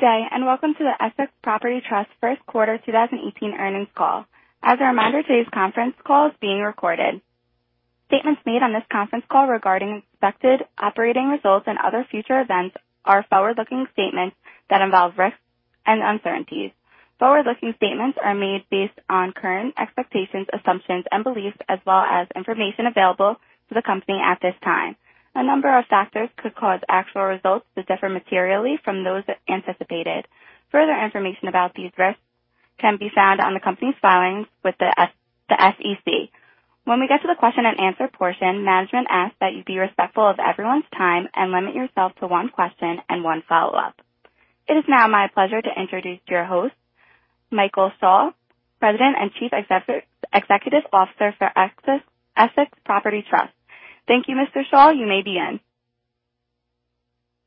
Good day. Welcome to the Essex Property Trust first quarter 2018 earnings call. As a reminder, today's conference call is being recorded. Statements made on this conference call regarding expected operating results and other future events are forward-looking statements that involve risks and uncertainties. Forward-looking statements are made based on current expectations, assumptions, and beliefs, as well as information available to the company at this time. A number of factors could cause actual results to differ materially from those anticipated. Further information about these risks can be found on the company's filings with the SEC. When we get to the question and answer portion, management asks that you be respectful of everyone's time and limit yourself to one question and one follow-up. It is now my pleasure to introduce your host, Michael Schall, President and Chief Executive Officer for Essex Property Trust. Thank you, Mr. Schall. You may begin.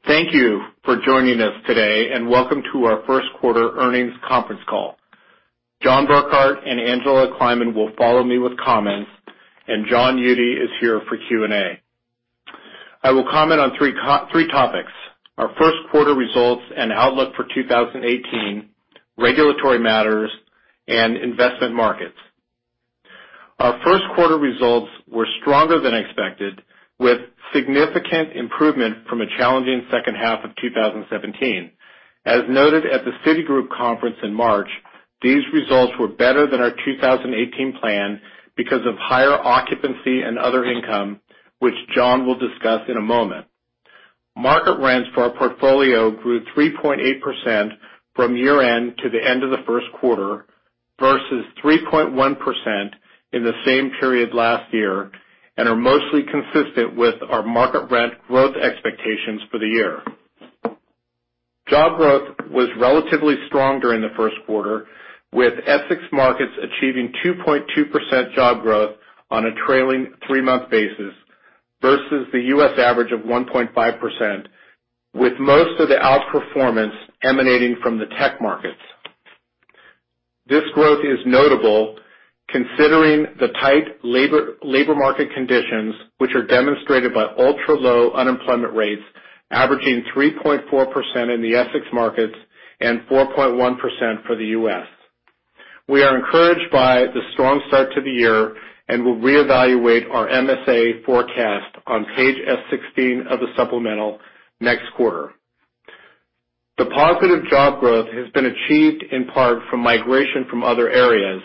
Thank you for joining us today. Welcome to our first quarter earnings conference call. John Burkart and Angela Kleiman will follow me with comments, and John Eudy is here for Q&A. I will comment on three topics. Our first quarter results and outlook for 2018, regulatory matters, and investment markets. Our first quarter results were stronger than expected, with significant improvement from a challenging second half of 2017. As noted at the Citigroup Conference in March, these results were better than our 2018 plan because of higher occupancy and other income, which John will discuss in a moment. Market rents for our portfolio grew 3.8% from year-end to the end of the first quarter versus 3.1% in the same period last year, and are mostly consistent with our market rent growth expectations for the year. Job growth was relatively stronger in the first quarter, with Essex markets achieving 2.2% job growth on a trailing three-month basis versus the U.S. average of 1.5%, with most of the outperformance emanating from the tech markets. This growth is notable considering the tight labor market conditions, which are demonstrated by ultra-low unemployment rates averaging 3.4% in the Essex markets and 4.1% for the U.S. We are encouraged by the strong start to the year and will reevaluate our MSA forecast on page S16 of the supplemental next quarter. The positive job growth has been achieved in part from migration from other areas,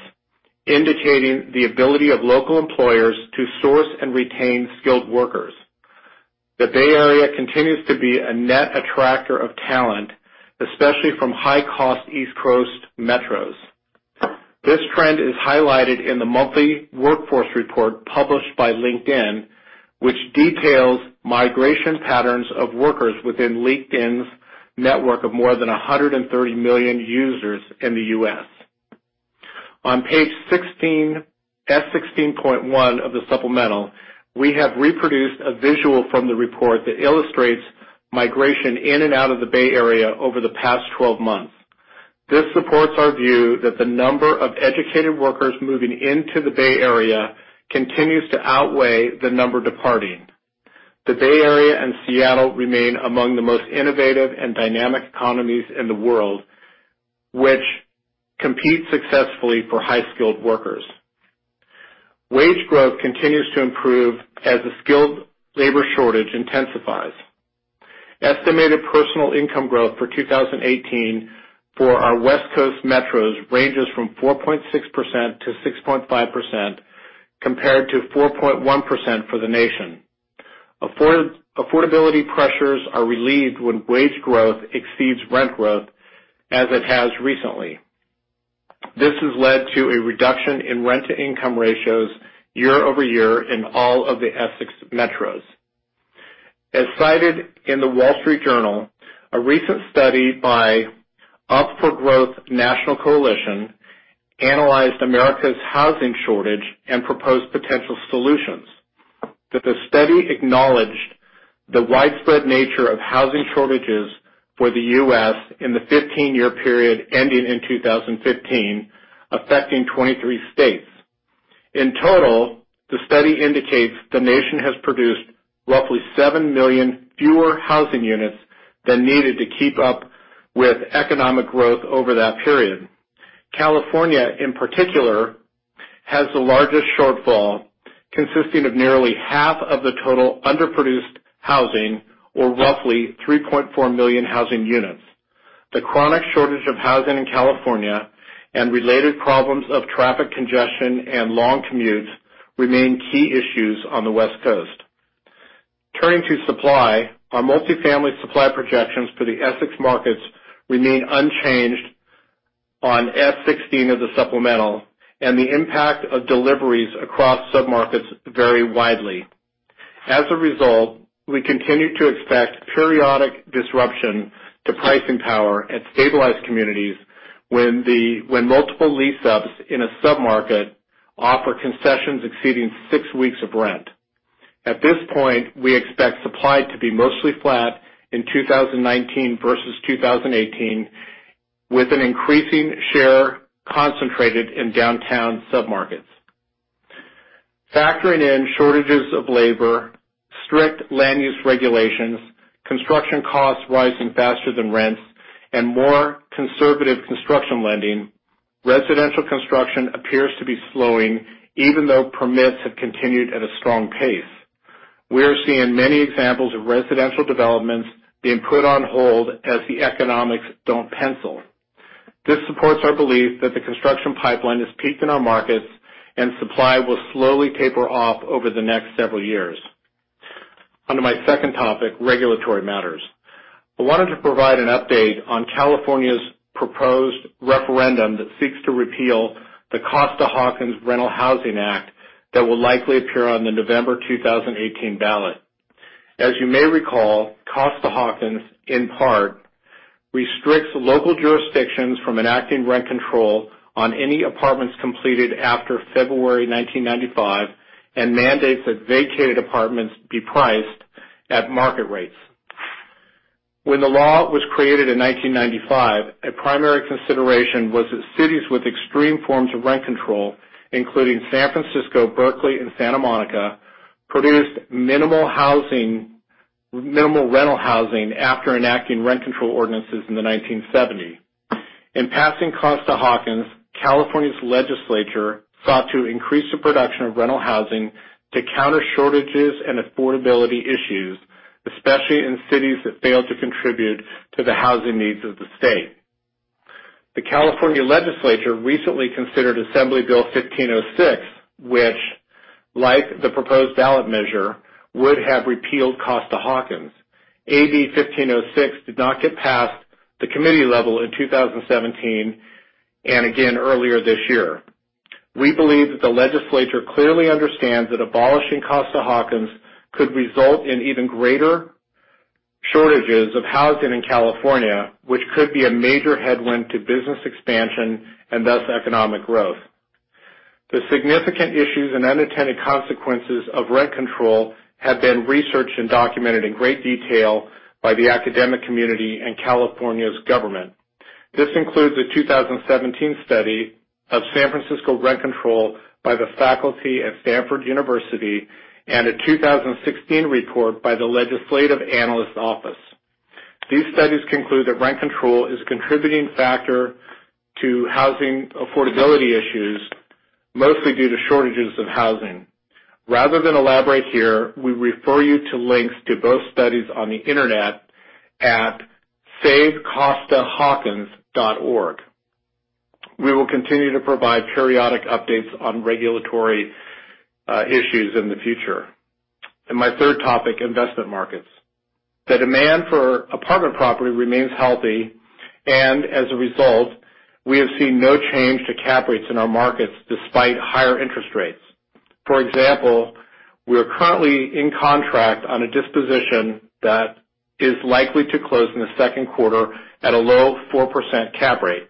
indicating the ability of local employers to source and retain skilled workers. The Bay Area continues to be a net attractor of talent, especially from high-cost East Coast metros. This trend is highlighted in the monthly workforce report published by LinkedIn, which details migration patterns of workers within LinkedIn's network of more than 130 million users in the U.S. On page S16.1 of the supplemental, we have reproduced a visual from the report that illustrates migration in and out of the Bay Area over the past 12 months. This supports our view that the number of educated workers moving into the Bay Area continues to outweigh the number departing. The Bay Area and Seattle remain among the most innovative and dynamic economies in the world, which compete successfully for high-skilled workers. Wage growth continues to improve as the skilled labor shortage intensifies. Estimated personal income growth for 2018 for our West Coast metros ranges from 4.6% to 6.5%, compared to 4.1% for the nation. Affordability pressures are relieved when wage growth exceeds rent growth, as it has recently. This has led to a reduction in rent-to-income ratios year-over-year in all of the Essex metros. As cited in The Wall Street Journal, a recent study by Up for Growth National Coalition analyzed America's housing shortage and proposed potential solutions. That the study acknowledged the widespread nature of housing shortages for the U.S. in the 15-year period ending in 2015, affecting 23 states. In total, the study indicates the nation has produced roughly 7 million fewer housing units than needed to keep up with economic growth over that period. California, in particular, has the largest shortfall, consisting of nearly half of the total underproduced housing, or roughly 3.4 million housing units. The chronic shortage of housing in California and related problems of traffic congestion and long commutes remain key issues on the West Coast. Turning to supply, our multifamily supply projections for the Essex markets remain unchanged on S16 of the supplemental, and the impact of deliveries across submarkets vary widely. As a result, we continue to expect periodic disruption to pricing power at stabilized communities when multiple lease-ups in a submarket offer concessions exceeding 6 weeks of rent. At this point, we expect supply to be mostly flat in 2019 versus 2018, with an increasing share concentrated in downtown submarkets. Factoring in shortages of labor, strict land use regulations, construction costs rising faster than rents, and more conservative construction lending, residential construction appears to be slowing even though permits have continued at a strong pace. We are seeing many examples of residential developments being put on hold as the economics don't pencil. This supports our belief that the construction pipeline has peaked in our markets, and supply will slowly taper off over the next several years. On to my second topic, regulatory matters. I wanted to provide an update on California's proposed referendum that seeks to repeal the Costa-Hawkins Rental Housing Act that will likely appear on the November 2018 ballot. As you may recall, Costa-Hawkins, in part, restricts local jurisdictions from enacting rent control on any apartments completed after February 1995 and mandates that vacated apartments be priced at market rates. When the law was created in 1995, a primary consideration was that cities with extreme forms of rent control, including San Francisco, Berkeley, and Santa Monica, produced minimal rental housing after enacting rent control ordinances in the 1970. In passing Costa-Hawkins, California's legislature sought to increase the production of rental housing to counter shortages and affordability issues, especially in cities that failed to contribute to the housing needs of the state. The California legislature recently considered Assembly Bill 1506, which like the proposed ballot measure, would have repealed Costa-Hawkins. AB 1506 did not get past the committee level in 2017, and again earlier this year. We believe that the legislature clearly understands that abolishing Costa-Hawkins could result in even greater shortages of housing in California, which could be a major headwind to business expansion and thus economic growth. The significant issues and unintended consequences of rent control have been researched and documented in great detail by the academic community and California's government. This includes a 2017 study of San Francisco rent control by the faculty at Stanford University and a 2016 report by the Legislative Analyst's Office. These studies conclude that rent control is a contributing factor to housing affordability issues, mostly due to shortages of housing. Rather than elaborate here, we refer you to links to both studies on the internet at savecostahawkins.org. We will continue to provide periodic updates on regulatory issues in the future. My third topic, investment markets. The demand for apartment property remains healthy, and as a result, we have seen no change to cap rates in our markets despite higher interest rates. For example, we are currently in contract on a disposition that is likely to close in the second quarter at a low 4% cap rate.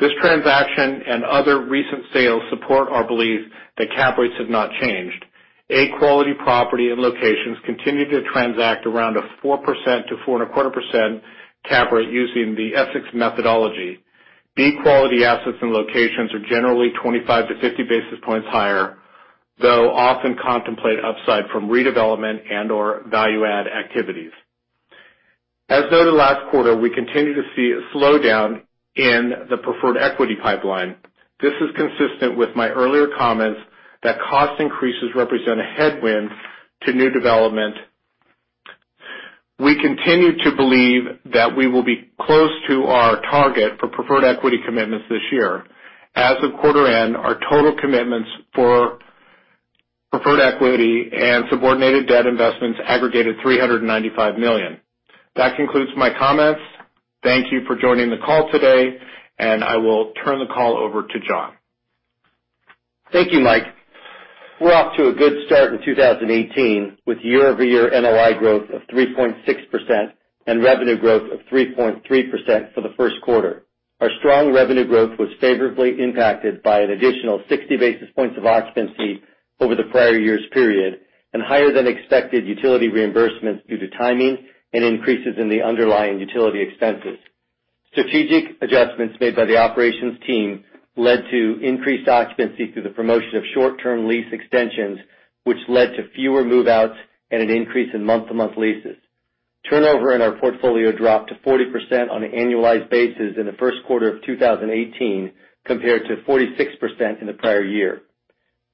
This transaction and other recent sales support our belief that cap rates have not changed. A-quality property and locations continue to transact around a 4%-4.25% cap rate using the Essex methodology. B-quality assets and locations are generally 25-50 basis points higher, though often contemplate upside from redevelopment and/or value-add activities. As noted last quarter, we continue to see a slowdown in the preferred equity pipeline. This is consistent with my earlier comments that cost increases represent a headwind to new development. We continue to believe that we will be close to our target for preferred equity commitments this year. As of quarter end, our total commitments for preferred equity and subordinated debt investments aggregated $395 million. That concludes my comments. Thank you for joining the call today, and I will turn the call over to John. Thank you, Mike. We're off to a good start in 2018 with year-over-year NOI growth of 3.6% and revenue growth of 3.3% for the first quarter. Our strong revenue growth was favorably impacted by an additional 60 basis points of occupancy over the prior year's period, and higher-than-expected utility reimbursements due to timing and increases in the underlying utility expenses. Strategic adjustments made by the operations team led to increased occupancy through the promotion of short-term lease extensions, which led to fewer move-outs and an increase in month-to-month leases. Turnover in our portfolio dropped to 40% on an annualized basis in the first quarter of 2018 compared to 46% in the prior year.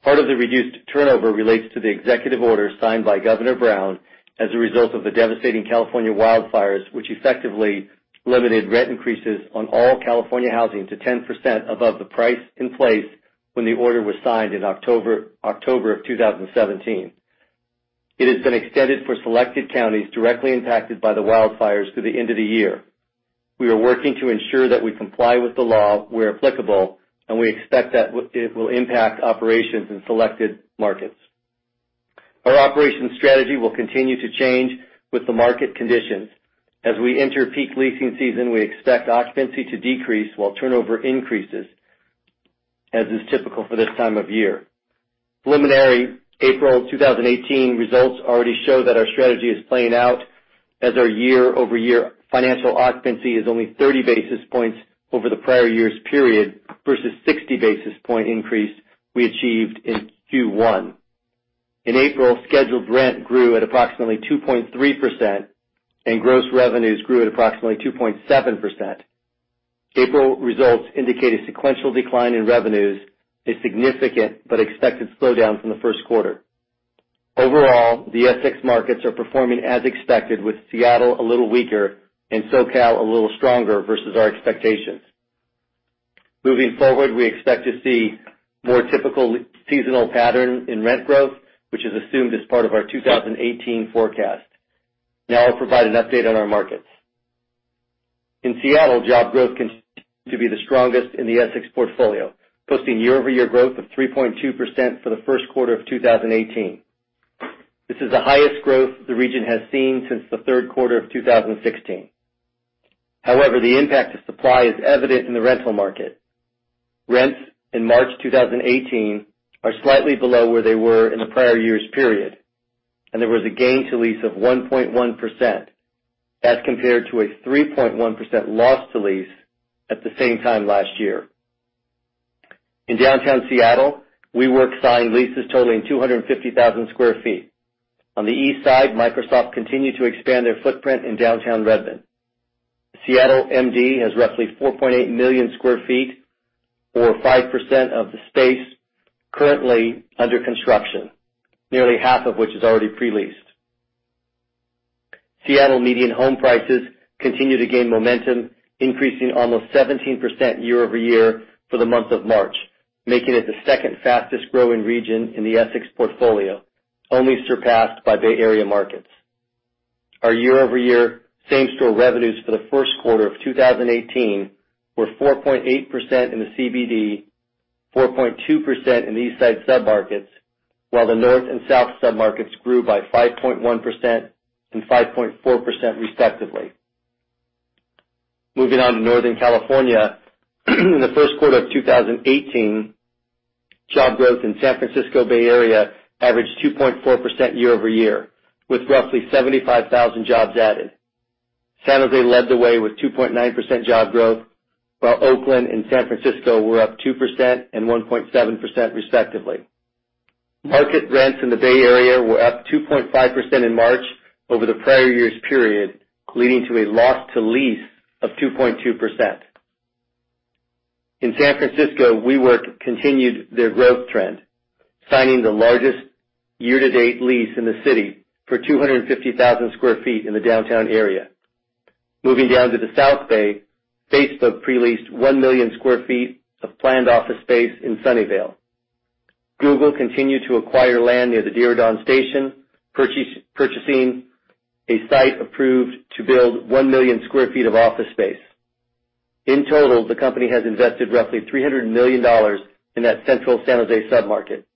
Part of the reduced turnover relates to the executive order signed by Governor Brown as a result of the devastating California wildfires, which effectively limited rent increases on all California housing to 10% above the price in place when the order was signed in October of 2017. It has been extended for selected counties directly impacted by the wildfires through the end of the year. We are working to ensure that we comply with the law where applicable, and we expect that it will impact operations in selected markets. Our operations strategy will continue to change with the market conditions. As we enter peak leasing season, we expect occupancy to decrease while turnover increases, as is typical for this time of year. Preliminary April 2018 results already show that our strategy is playing out. Our year-over-year financial occupancy is only 30 basis points over the prior year's period versus 60 basis points increase we achieved in Q1. In April, scheduled rent grew at approximately 2.3%. Gross revenues grew at approximately 2.7%. April results indicate a sequential decline in revenues, a significant but expected slowdown from the first quarter. Overall, the Essex markets are performing as expected, with Seattle a little weaker and SoCal a little stronger versus our expectations. Moving forward, we expect to see more typical seasonal pattern in rent growth, which is assumed as part of our 2018 forecast. Now I'll provide an update on our markets. In Seattle, job growth continued to be the strongest in the Essex portfolio, posting year-over-year growth of 3.2% for the first quarter of 2018. This is the highest growth the region has seen since the third quarter of 2016. However, the impact of supply is evident in the rental market. Rents in March 2018 are slightly below where they were in the prior year's period. There was a gain to lease of 1.1%. That's compared to a 3.1% loss to lease at the same time last year. In downtown Seattle, WeWork signed leases totaling 250,000 sq ft. On the East Side, Microsoft continued to expand their footprint in downtown Redmond. Seattle MD has roughly 4.8 million sq ft or 5% of the space currently under construction, nearly half of which is already pre-leased. Seattle median home prices continue to gain momentum, increasing almost 17% year-over-year for the month of March, making it the second fastest-growing region in the Essex portfolio, only surpassed by Bay Area markets. Our year-over-year same-store revenues for the first quarter of 2018 were 4.8% in the CBD, 4.2% in the East Side sub-markets, while the North and South sub-markets grew by 5.1% and 5.4% respectively. Moving on to Northern California. In the first quarter of 2018, job growth in San Francisco Bay Area averaged 2.4% year-over-year, with roughly 75,000 jobs added. San Jose led the way with 2.9% job growth, while Oakland and San Francisco were up 2% and 1.7% respectively. Market rents in the Bay Area were up 2.5% in March over the prior year's period, leading to a loss to lease of 2.2%. In San Francisco, WeWork continued their growth trend, signing the largest year-to-date lease in the city for 250,000 sq ft in the downtown area. Moving down to the South Bay, Facebook pre-leased 1 million sq ft of planned office space in Sunnyvale. Google continued to acquire land near the Diridon Station, purchasing a site approved to build 1 million sq ft of office space. In total, the company has invested roughly $300 million in that Central San Jose sub-market.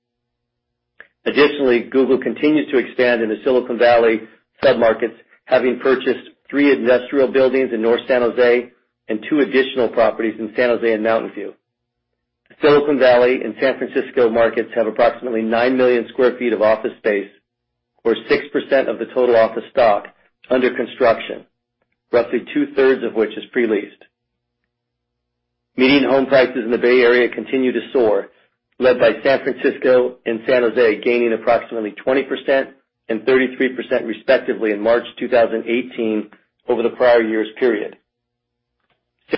Additionally, Google continues to expand in the Silicon Valley sub-markets, having purchased 3 industrial buildings in North San Jose and 2 additional properties in San Jose and Mountain View. Silicon Valley and San Francisco markets have approximately 9 million sq ft of office space or 6% of the total office stock under construction, roughly two-thirds of which is pre-leased. Median home prices in the Bay Area continue to soar, led by San Francisco and San Jose gaining approximately 20% and 33% respectively in March 2018 over the prior year's period.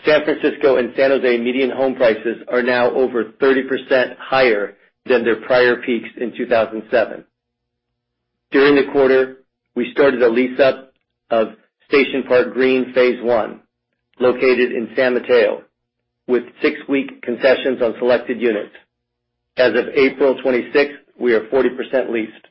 San Francisco and San Jose median home prices are now over 30% higher than their prior peaks in 2007. During the quarter, we started a lease-up of Station Park Green Phase One, located in San Mateo, with six-week concessions on selected units. As of April 26th, we are 40% leased.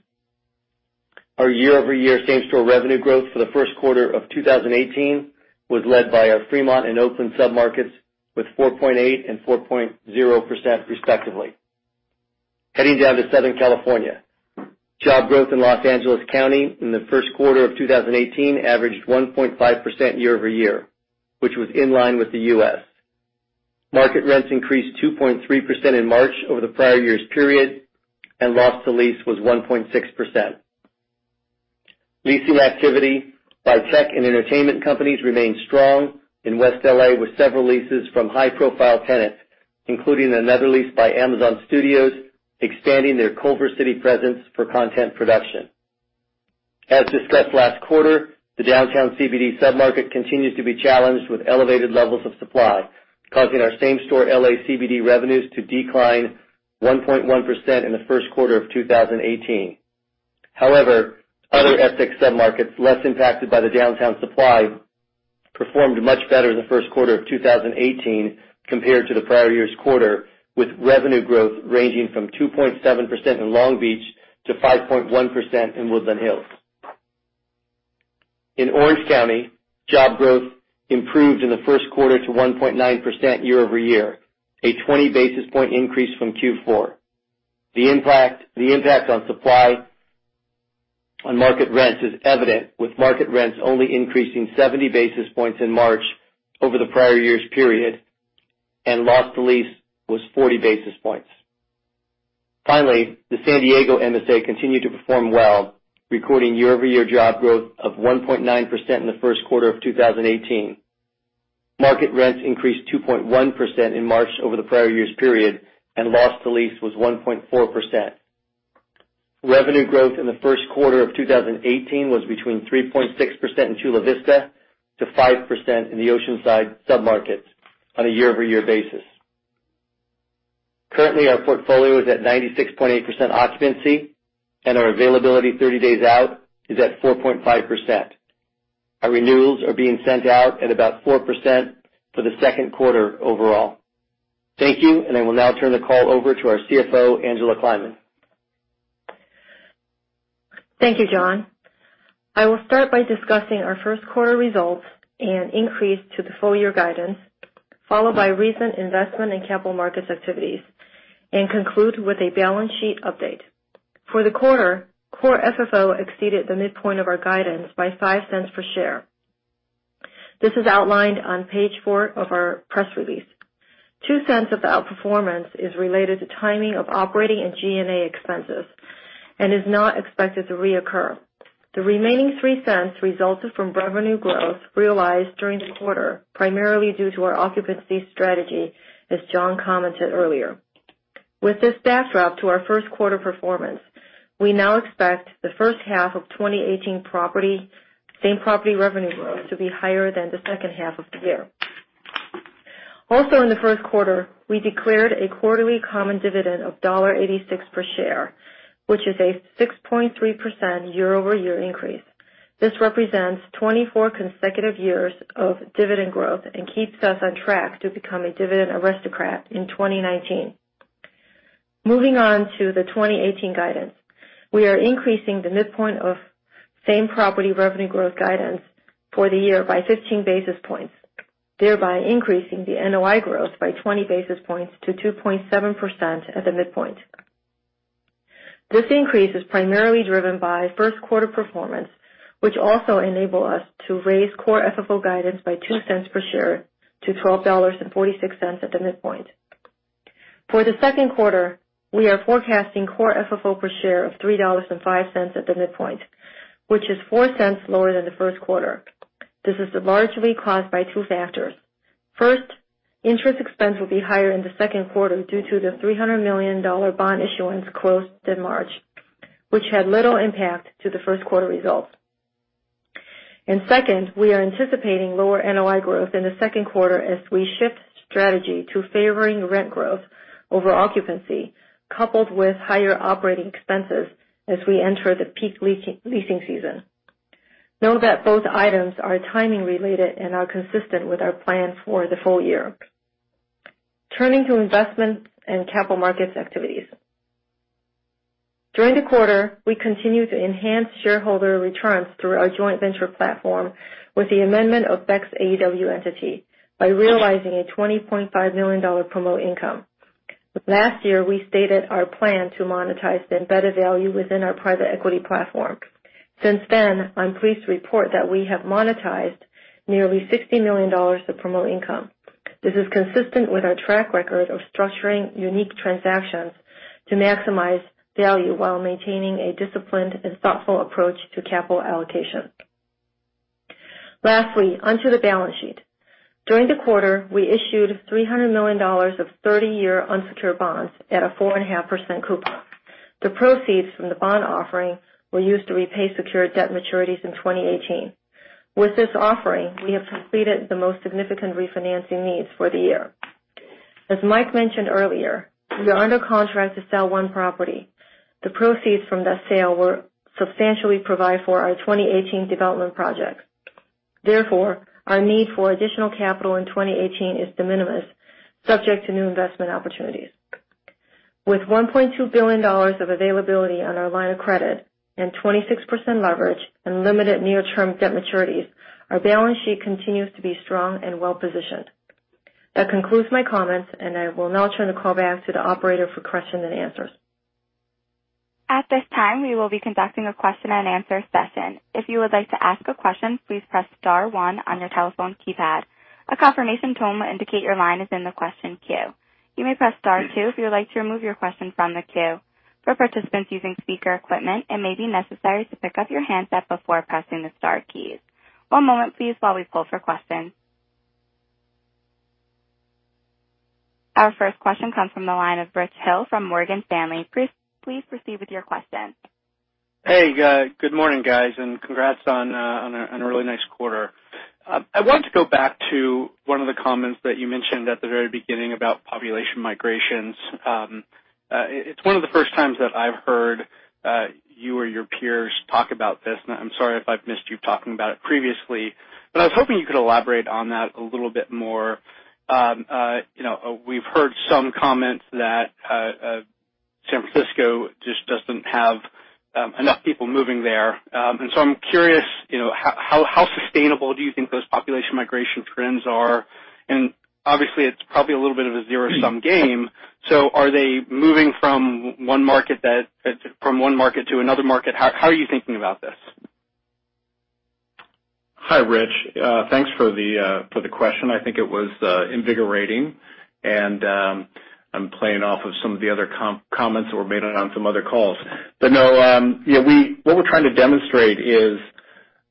Our year-over-year same-store revenue growth for the first quarter of 2018 was led by our Fremont and Oakland sub-markets with 4.8% and 4.0% respectively. Heading down to Southern California. Job growth in Los Angeles County in the first quarter of 2018 averaged 1.5% year-over-year, which was in line with the U.S. Market rents increased 2.3% in March over the prior year's period, and loss to lease was 1.6%. Leasing activity by tech and entertainment companies remained strong in West L.A., with several leases from high-profile tenants, including another lease by Amazon Studios, expanding their Culver City presence for content production. As discussed last quarter, the downtown CBD sub-market continues to be challenged with elevated levels of supply, causing our same-store L.A. CBD revenues to decline 1.1% in the first quarter of 2018. However, other Essex sub-markets less impacted by the downtown supply performed much better in the first quarter of 2018 compared to the prior year's quarter, with revenue growth ranging from 2.7% in Long Beach to 5.1% in Woodland Hills. In Orange County, job growth improved in the first quarter to 1.9% year-over-year, a 20-basis-point increase from Q4. The impact on supply on market rents is evident, with market rents only increasing 70 basis points in March over the prior year's period, and loss to lease was 40 basis points. Finally, the San Diego MSA continued to perform well, recording year-over-year job growth of 1.9% in the first quarter of 2018. Market rents increased 2.1% in March over the prior year's period, and loss to lease was 1.4%. Revenue growth in the first quarter of 2018 was between 3.6% in Chula Vista to 5% in the Oceanside sub-markets on a year-over-year basis. Currently, our portfolio is at 96.8% occupancy, and our availability 30 days out is at 4.5%. Our renewals are being sent out at about 4% for the second quarter overall. Thank you, and I will now turn the call over to our CFO, Angela Kleiman. Thank you, John. I will start by discussing our first quarter results and increase to the full-year guidance, followed by recent investment in capital markets activities, and conclude with a balance sheet update. For the quarter, core FFO exceeded the midpoint of our guidance by $0.05 per share. This is outlined on page four of our press release. $0.02 of outperformance is related to timing of operating and G&A expenses and is not expected to reoccur. The remaining $0.03 resulted from revenue growth realized during the quarter, primarily due to our occupancy strategy, as John commented earlier. With this backdrop to our first quarter performance, we now expect the first half of 2018 same property revenue growth to be higher than the second half of the year. Also in the first quarter, we declared a quarterly common dividend of $1.86 per share, which is a 6.3% year-over-year increase. This represents 24 consecutive years of dividend growth and keeps us on track to become a dividend aristocrat in 2019. Moving on to the 2018 guidance. We are increasing the midpoint of same property revenue growth guidance for the year by 15 basis points, thereby increasing the NOI growth by 20 basis points to 2.7% at the midpoint. This increase is primarily driven by first quarter performance, which also enable us to raise core FFO guidance by $0.02 per share to $12.46 at the midpoint. For the second quarter, we are forecasting core FFO per share of $3.05 at the midpoint, which is $0.04 lower than the first quarter. This is largely caused by two factors. First, interest expense will be higher in the second quarter due to the $300 million bond issuance closed in March, which had little impact to the first quarter results. Second, we are anticipating lower NOI growth in the second quarter as we shift strategy to favoring rent growth over occupancy, coupled with higher operating expenses as we enter the peak leasing season. Note that both items are timing related and are consistent with our plan for the full year. Turning to investment and capital markets activities. During the quarter, we continued to enhance shareholder returns through our joint venture platform with the amendment of BEXAEW entity by realizing a $20.5 million promote income. Last year, we stated our plan to monetize the embedded value within our private equity platform. Since then, I'm pleased to report that we have monetized nearly $60 million of promote income. This is consistent with our track record of structuring unique transactions to maximize value while maintaining a disciplined and thoughtful approach to capital allocation. Lastly, onto the balance sheet. During the quarter, we issued $300 million of 30-year unsecured bonds at a 4.5% coupon. The proceeds from the bond offering were used to repay secured debt maturities in 2018. With this offering, we have completed the most significant refinancing needs for the year. As Mike mentioned earlier, we are under contract to sell one property. The proceeds from that sale will substantially provide for our 2018 development projects. Therefore, our need for additional capital in 2018 is de minimis, subject to new investment opportunities. With $1.2 billion of availability on our line of credit and 26% leverage and limited near-term debt maturities, our balance sheet continues to be strong and well-positioned. That concludes my comments, and I will now turn the call back to the operator for questions and answers. At this time, we will be conducting a question and answer session. If you would like to ask a question, please press star one on your telephone keypad. A confirmation tone will indicate your line is in the question queue. You may press star two if you would like to remove your question from the queue. For participants using speaker equipment, it may be necessary to pick up your handset before pressing the star keys. One moment please while we pull for questions. Our first question comes from the line of Richard Hill from Morgan Stanley. Please proceed with your question. Hey, good morning, guys, and congrats on a really nice quarter. I wanted to go back to one of the comments that you mentioned at the very beginning about population migrations. It's one of the first times that I've heard you or your peers talk about this, and I'm sorry if I've missed you talking about it previously, but I was hoping you could elaborate on that a little bit more. We've heard some comments that San Francisco just doesn't have enough people moving there. I'm curious, how sustainable do you think those population migration trends are? Obviously, it's probably a little bit of a zero-sum game. Are they moving from one market to another market? How are you thinking about this? Hi, Rich. Thanks for the question. I think it was invigorating, and I'm playing off of some of the other comments that were made on some other calls. No, what we're trying to demonstrate is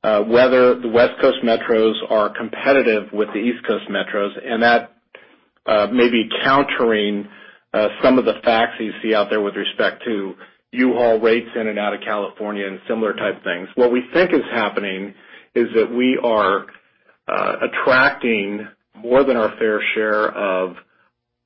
whether the West Coast metros are competitive with the East Coast metros, and that may be countering some of the facts that you see out there with respect to U-Haul rates in and out of California and similar type things. What we think is happening is that we are attracting more than our fair share of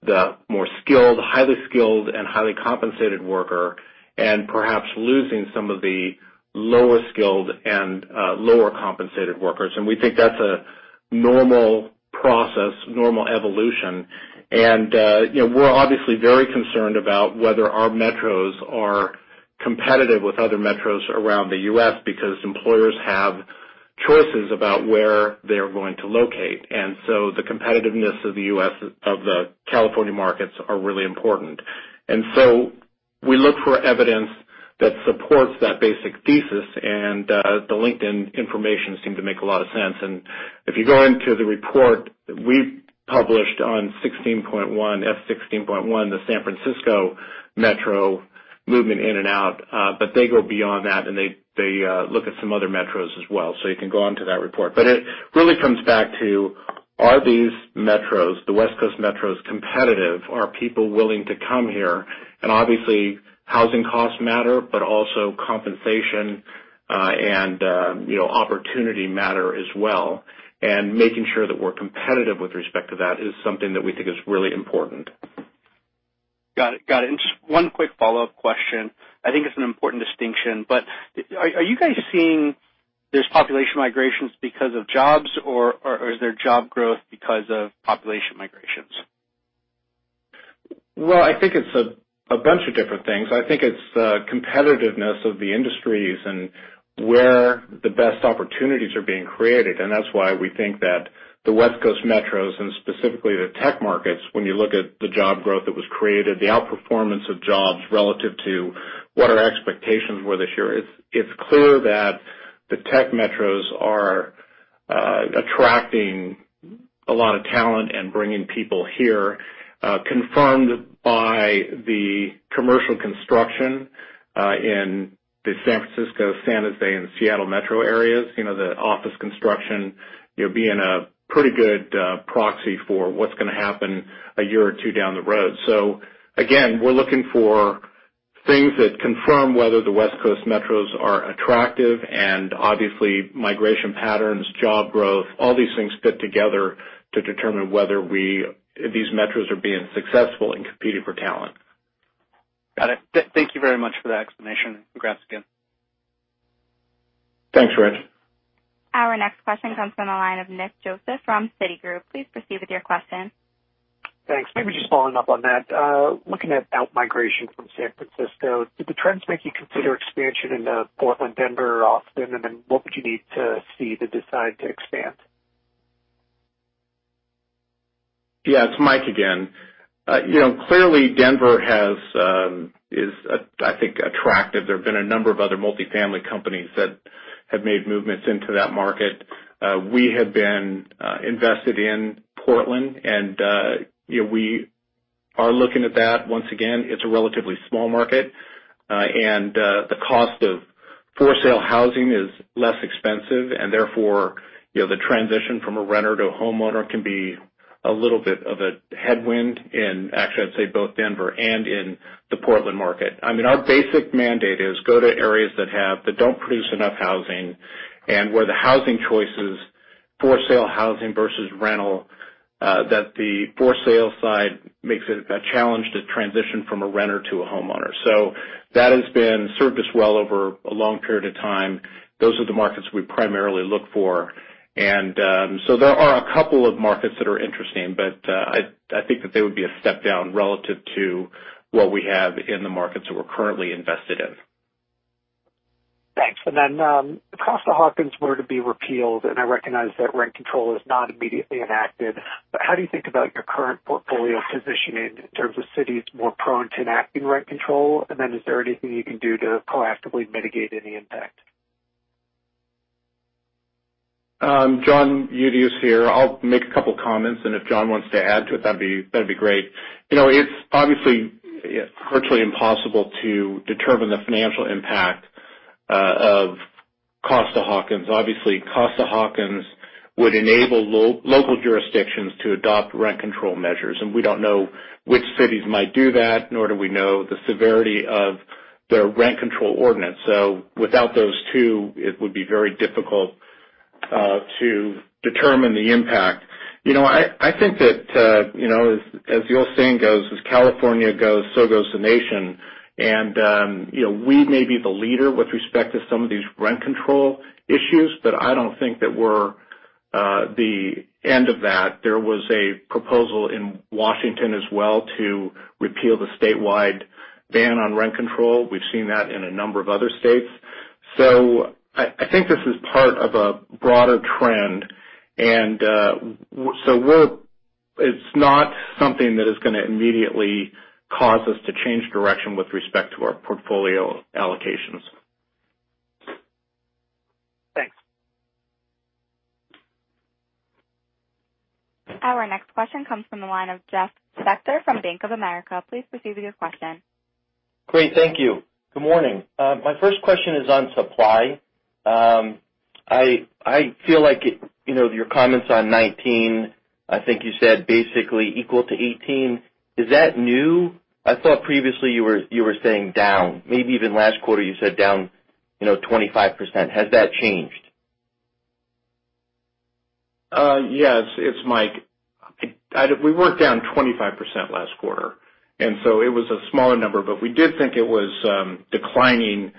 the more skilled, highly skilled, and highly compensated worker, and perhaps losing some of the lower skilled and lower compensated workers. We think that's a normal process, normal evolution. We're obviously very concerned about whether our metros are competitive with other metros around the U.S. because employers have choices about where they're going to locate. The competitiveness of the California markets are really important. We look for evidence that supports that basic thesis, and the LinkedIn information seemed to make a lot of sense. If you go into the report we published on 16.1, S 16.1, the San Francisco metro movement in and out. They go beyond that, and they look at some other metros as well. You can go onto that report. It really comes back to, are these metros, the West Coast metros, competitive? Are people willing to come here? Obviously, housing costs matter, but also compensation and opportunity matter as well. Making sure that we're competitive with respect to that is something that we think is really important. Got it. Just one quick follow-up question. I think it's an important distinction, are you guys seeing there's population migrations because of jobs, or is there job growth because of population migrations? Well, I think it's a bunch of different things. I think it's the competitiveness of the industries where the best opportunities are being created, that's why we think that the West Coast metros, specifically the tech markets, when you look at the job growth that was created, the outperformance of jobs relative to what our expectations were this year, it's clear that the tech metros are attracting a lot of talent and bringing people here, confirmed by the commercial construction, in the San Francisco, San Jose, and Seattle metro areas. The office construction being a pretty good proxy for what's going to happen a year or two down the road. Again, we're looking for things that confirm whether the West Coast metros are attractive and obviously migration patterns, job growth, all these things fit together to determine whether these metros are being successful in competing for talent. Got it. Thank you very much for that explanation. Congrats again. Thanks, Rich. Our next question comes from the line of Nicholas Joseph from Citigroup. Please proceed with your question. Thanks. Maybe just following up on that. Looking at outmigration from San Francisco, did the trends make you consider expansion into Portland, Denver, or Austin? What would you need to see to decide to expand? Yeah, it's Mike again. Clearly, Denver is, I think, attractive. There have been a number of other multifamily companies that have made movements into that market. We have been invested in Portland, and we are looking at that once again. It's a relatively small market. The cost of for-sale housing is less expensive, and therefore, the transition from a renter to a homeowner can be a little bit of a headwind in, actually, I'd say both Denver and in the Portland market. Our basic mandate is go to areas that don't produce enough housing and where the housing choices, for-sale housing versus rental, that the for-sale side makes it a challenge to transition from a renter to a homeowner. That has served us well over a long period of time. Those are the markets we primarily look for. There are a couple of markets that are interesting, but, I think that they would be a step down relative to what we have in the markets that we're currently invested in. Thanks. If Costa-Hawkins were to be repealed, and I recognize that rent control is not immediately enacted, but how do you think about your current portfolio positioning in terms of cities more prone to enacting rent control? And then is there anything you can do to proactively mitigate any impact? John Eudy here. I'll make a couple comments, and if John wants to add to it, that'd be great. It's obviously virtually impossible to determine the financial impact of Costa-Hawkins. Obviously, Costa-Hawkins would enable local jurisdictions to adopt rent control measures, and we don't know which cities might do that, nor do we know the severity of their rent control ordinance. Without those two, it would be very difficult to determine the impact. I think that as the old saying goes, "As California goes, so goes the nation." We may be the leader with respect to some of these rent control issues, but I don't think that we're the end of that. There was a proposal in Washington as well to repeal the statewide ban on rent control. We've seen that in a number of other states. I think this is part of a broader trend. It's not something that is going to immediately cause us to change direction with respect to our portfolio allocations. Thanks. Our next question comes from the line of Jeffrey Spector from Bank of America. Please proceed with your question. Great. Thank you. Good morning. My first question is on supply. I feel like your comments on 2019, I think you said basically equal to 2018. Is that new? I thought previously you were saying down, maybe even last quarter you said down 25%. Has that changed? Yes. It's Michael. We were down 25% last quarter. It was a smaller number, but we did think it was declining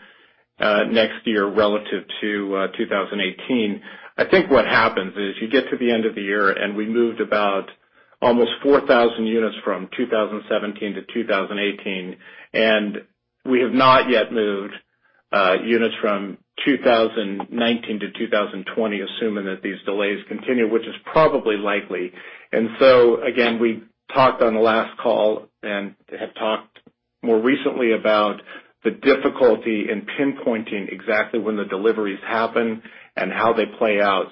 next year relative to 2018. I think what happens is you get to the end of the year, we moved about almost 4,000 units from 2017 to 2018. We have not yet moved units from 2019 to 2020, assuming that these delays continue, which is probably likely. Again, we talked on the last call and have talked more recently about the difficulty in pinpointing exactly when the deliveries happen and how they play out.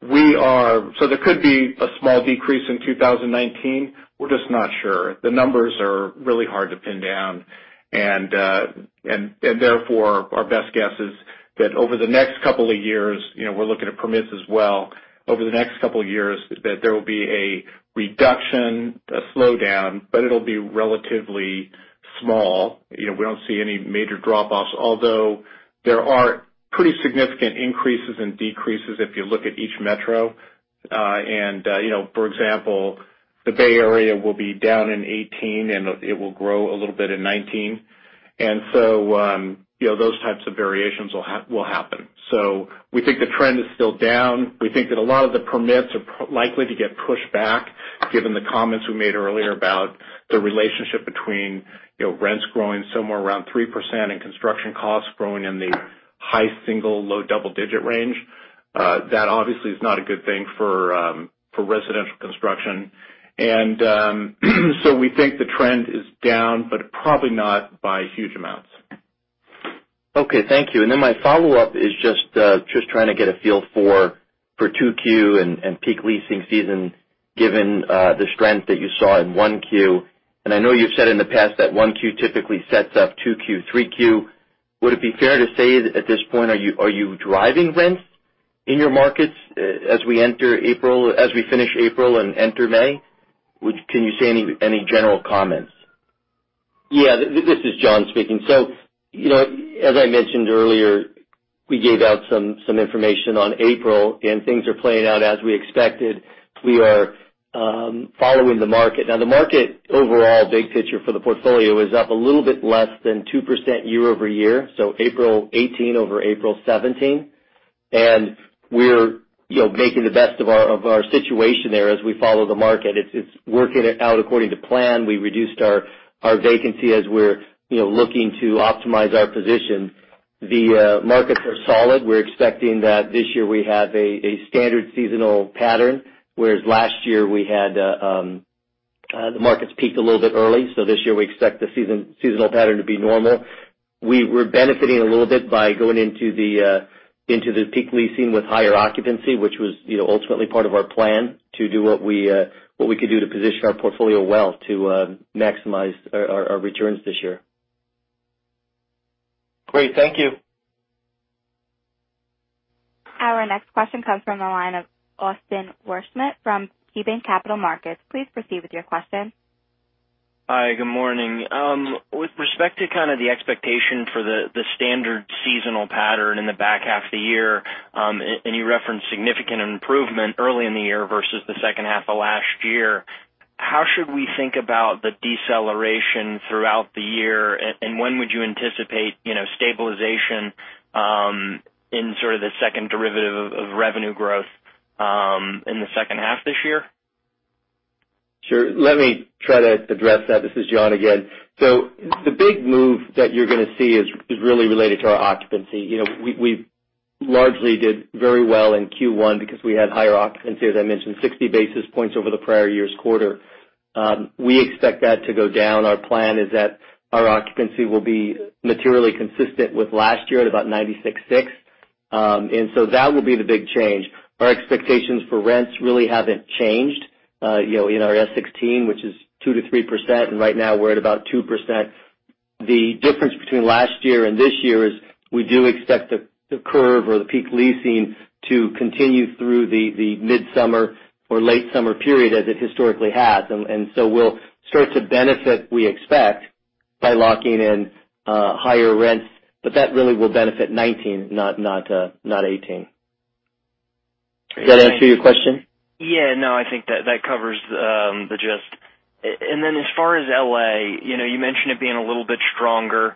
There could be a small decrease in 2019. We're just not sure. The numbers are really hard to pin down. Therefore, our best guess is that over the next couple of years, we're looking at permits as well, over the next couple of years that there will be a reduction, a slowdown, but it'll be relatively small. We don't see any major drop-offs, although there are pretty significant increases and decreases if you look at each metro. For example, the Bay Area will be down in 2018, and it will grow a little bit in 2019. Those types of variations will happen. We think the trend is still down. We think that a lot of the permits are likely to get pushed back given the comments we made earlier about the relationship between rents growing somewhere around 3% and construction costs growing in the high single, low double-digit range. That obviously is not a good thing for residential construction. We think the trend is down, but probably not by huge amounts. Okay. Thank you. My follow-up is just trying to get a feel for 2Q and peak leasing season given the strength that you saw in 1Q. I know you've said in the past that 1Q typically sets up 2Q, 3Q. Would it be fair to say at this point, are you driving rents in your markets as we finish April and enter May? Can you say any general comments? Yeah. This is John speaking. As I mentioned earlier, we gave out some information on April, and things are playing out as we expected. We are following the market. The market overall, big picture for the portfolio is up a little bit less than 2% year-over-year, so April '18 over April '17. We're making the best of our situation there as we follow the market. It's working out according to plan. We reduced our vacancy as we're looking to optimize our position. The markets are solid. We're expecting that this year we have a standard seasonal pattern, whereas last year the markets peaked a little bit early. This year we expect the seasonal pattern to be normal. We're benefiting a little bit by going into the peak leasing with higher occupancy, which was ultimately part of our plan to do what we could do to position our portfolio well to maximize our returns this year. Great. Thank you. Our next question comes from the line of Austin Wurschmidt from KeyBanc Capital Markets. Please proceed with your question. Hi. Good morning. With respect to kind of the expectation for the standard seasonal pattern in the back half of the year, you referenced significant improvement early in the year versus the second half of last year. How should we think about the deceleration throughout the year, and when would you anticipate stabilization in sort of the second derivative of revenue growth in the second half this year? Sure. Let me try to address that. This is John again. The big move that you're going to see is really related to our occupancy. We largely did very well in Q1 because we had higher occupancy, as I mentioned, 60 basis points over the prior year's quarter. We expect that to go down. Our plan is that our occupancy will be materially consistent with last year at about 96.6. That will be the big change. Our expectations for rents really haven't changed in our S16, which is 2%-3%, and right now we're at about 2%. The difference between last year and this year is we do expect the curve or the peak leasing to continue through the midsummer or late summer period as it historically has. We'll start to benefit, we expect, by locking in higher rents. That really will benefit 2019, not 2018. Does that answer your question? Yeah. No, I think that covers the gist. Then as far as L.A., you mentioned it being a little bit stronger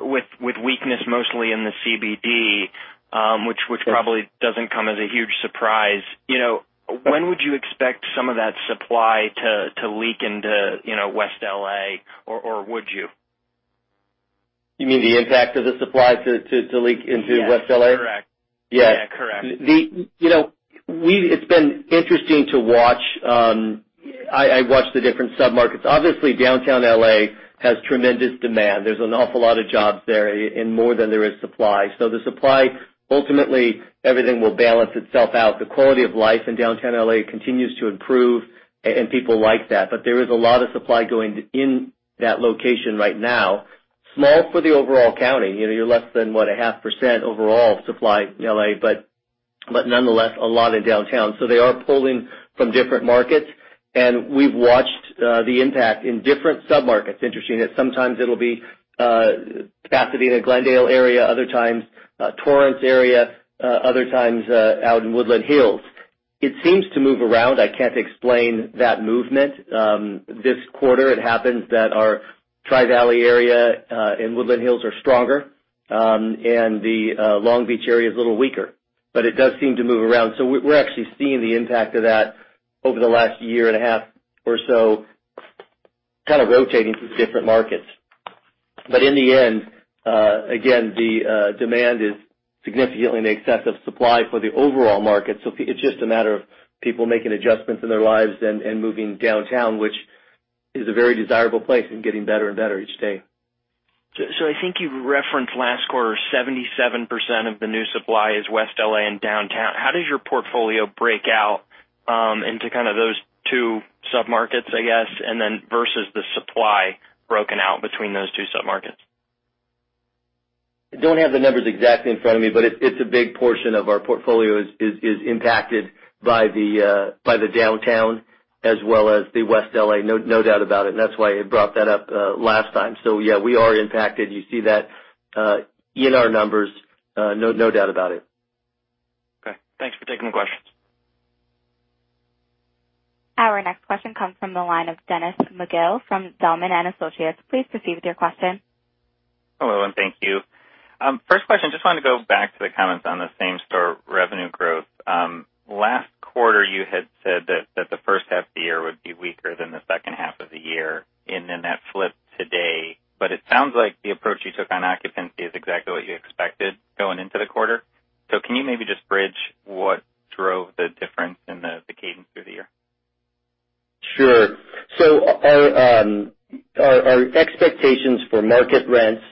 with weakness mostly in the CBD, which probably doesn't come as a huge surprise. When would you expect some of that supply to leak into West L.A., or would you? You mean the impact of the supply to leak into West L.A.? Yes, correct. It's been interesting to watch. I watch the different sub-markets. Obviously, Downtown L.A. has tremendous demand. There's an awful lot of jobs there and more than there is supply. The supply, ultimately, everything will balance itself out. The quality of life in Downtown L.A. continues to improve, and people like that. There is a lot of supply going in that location right now. Small for the overall county. You're less than what, a 0.5% overall supply in L.A., but nonetheless, a lot in Downtown. They are pulling from different markets, and we've watched the impact in different sub-markets. Interesting that sometimes it'll be Pasadena, Glendale area, other times, Torrance area, other times out in Woodland Hills. It seems to move around. I can't explain that movement. This quarter, it happens that our Tri-Valley area, and Woodland Hills are stronger, and the Long Beach area is a little weaker, but it does seem to move around. We're actually seeing the impact of that over the last year and a half or so, kind of rotating through different markets. In the end, again, the demand is significantly in excess of supply for the overall market. It's just a matter of people making adjustments in their lives and moving downtown, which is a very desirable place and getting better and better each day. I think you referenced last quarter, 77% of the new supply is West L.A. and Downtown. How does your portfolio break out into kind of those two sub-markets, I guess, and then versus the supply broken out between those two sub-markets? Don't have the numbers exactly in front of me. It's a big portion of our portfolio is impacted by the Downtown as well as the West L.A. No doubt about it. That's why I brought that up last time. Yeah, we are impacted. You see that in our numbers, no doubt about it. Okay. Thanks for taking the questions. Our next question comes from the line of Dennis McGill from Zelman & Associates. Please proceed with your question. Hello, and thank you. First question, just wanted to go back to the comments on the same-store revenue growth. Last quarter you had said that the first half of the year would be weaker than the second half of the year, that flipped today. It sounds like the approach you took on occupancy is exactly what you expected going into the quarter. Can you maybe just bridge what drove the difference in the cadence through the year? Sure. Our expectations for market rents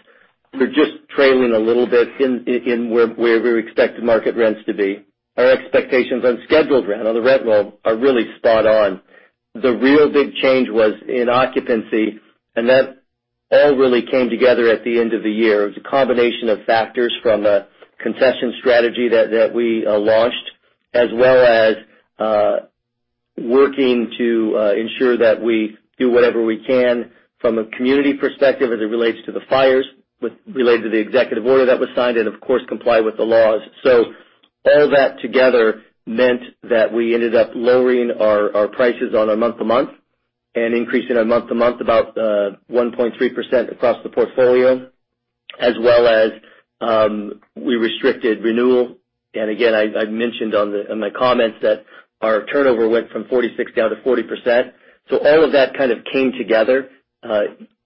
were just trailing a little bit in where we expected market rents to be. Our expectations on scheduled rent on the rent roll are really spot on. The real big change was in occupancy, that all really came together at the end of the year. It was a combination of factors from a concession strategy that we launched, as well as working to ensure that we do whatever we can from a community perspective as it relates to the fires, related to the executive order that was signed, of course, comply with the laws. All that together meant that we ended up lowering our prices on a month-to-month and increasing our month-to-month about 1.3% across the portfolio, as well as, we restricted renewal. I mentioned in my comments that our turnover went from 46% down to 40%. All of that kind of came together,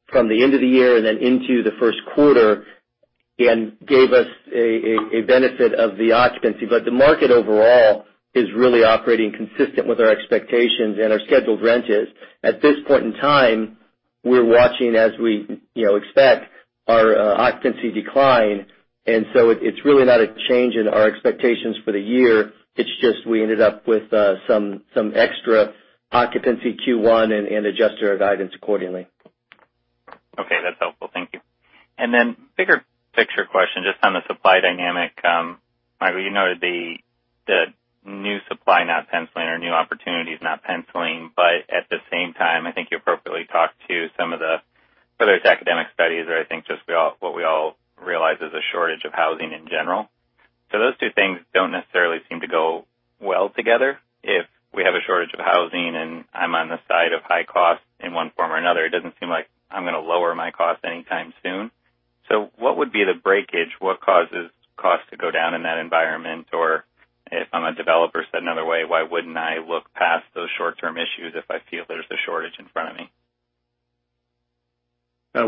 from the end of the year and then into the first quarter and gave us a benefit of the occupancy. The market overall is really operating consistent with our expectations and our scheduled rents is. At this point in time, we're watching as we expect our occupancy decline, it's really not a change in our expectations for the year. It's just we ended up with some extra occupancy Q1 and adjust our guidance accordingly. Okay. That's helpful. Thank you. Bigger picture question, just on the supply dynamic. Michael, you noted the new supply not penciling or new opportunities not penciling, but at the same time, I think you appropriately talked to some of the, whether it's academic studies or I think just what we all realize is a shortage of housing in general. Those two things don't necessarily seem to go well together. If we have a shortage of housing and I'm on the side of high cost in one form or another, it doesn't seem like I'm going to lower my cost anytime soon. What would be the breakage? What causes cost to go down in that environment? Or if I'm a developer, said another way, why wouldn't I look past those short-term issues if I feel there's a shortage in front of me?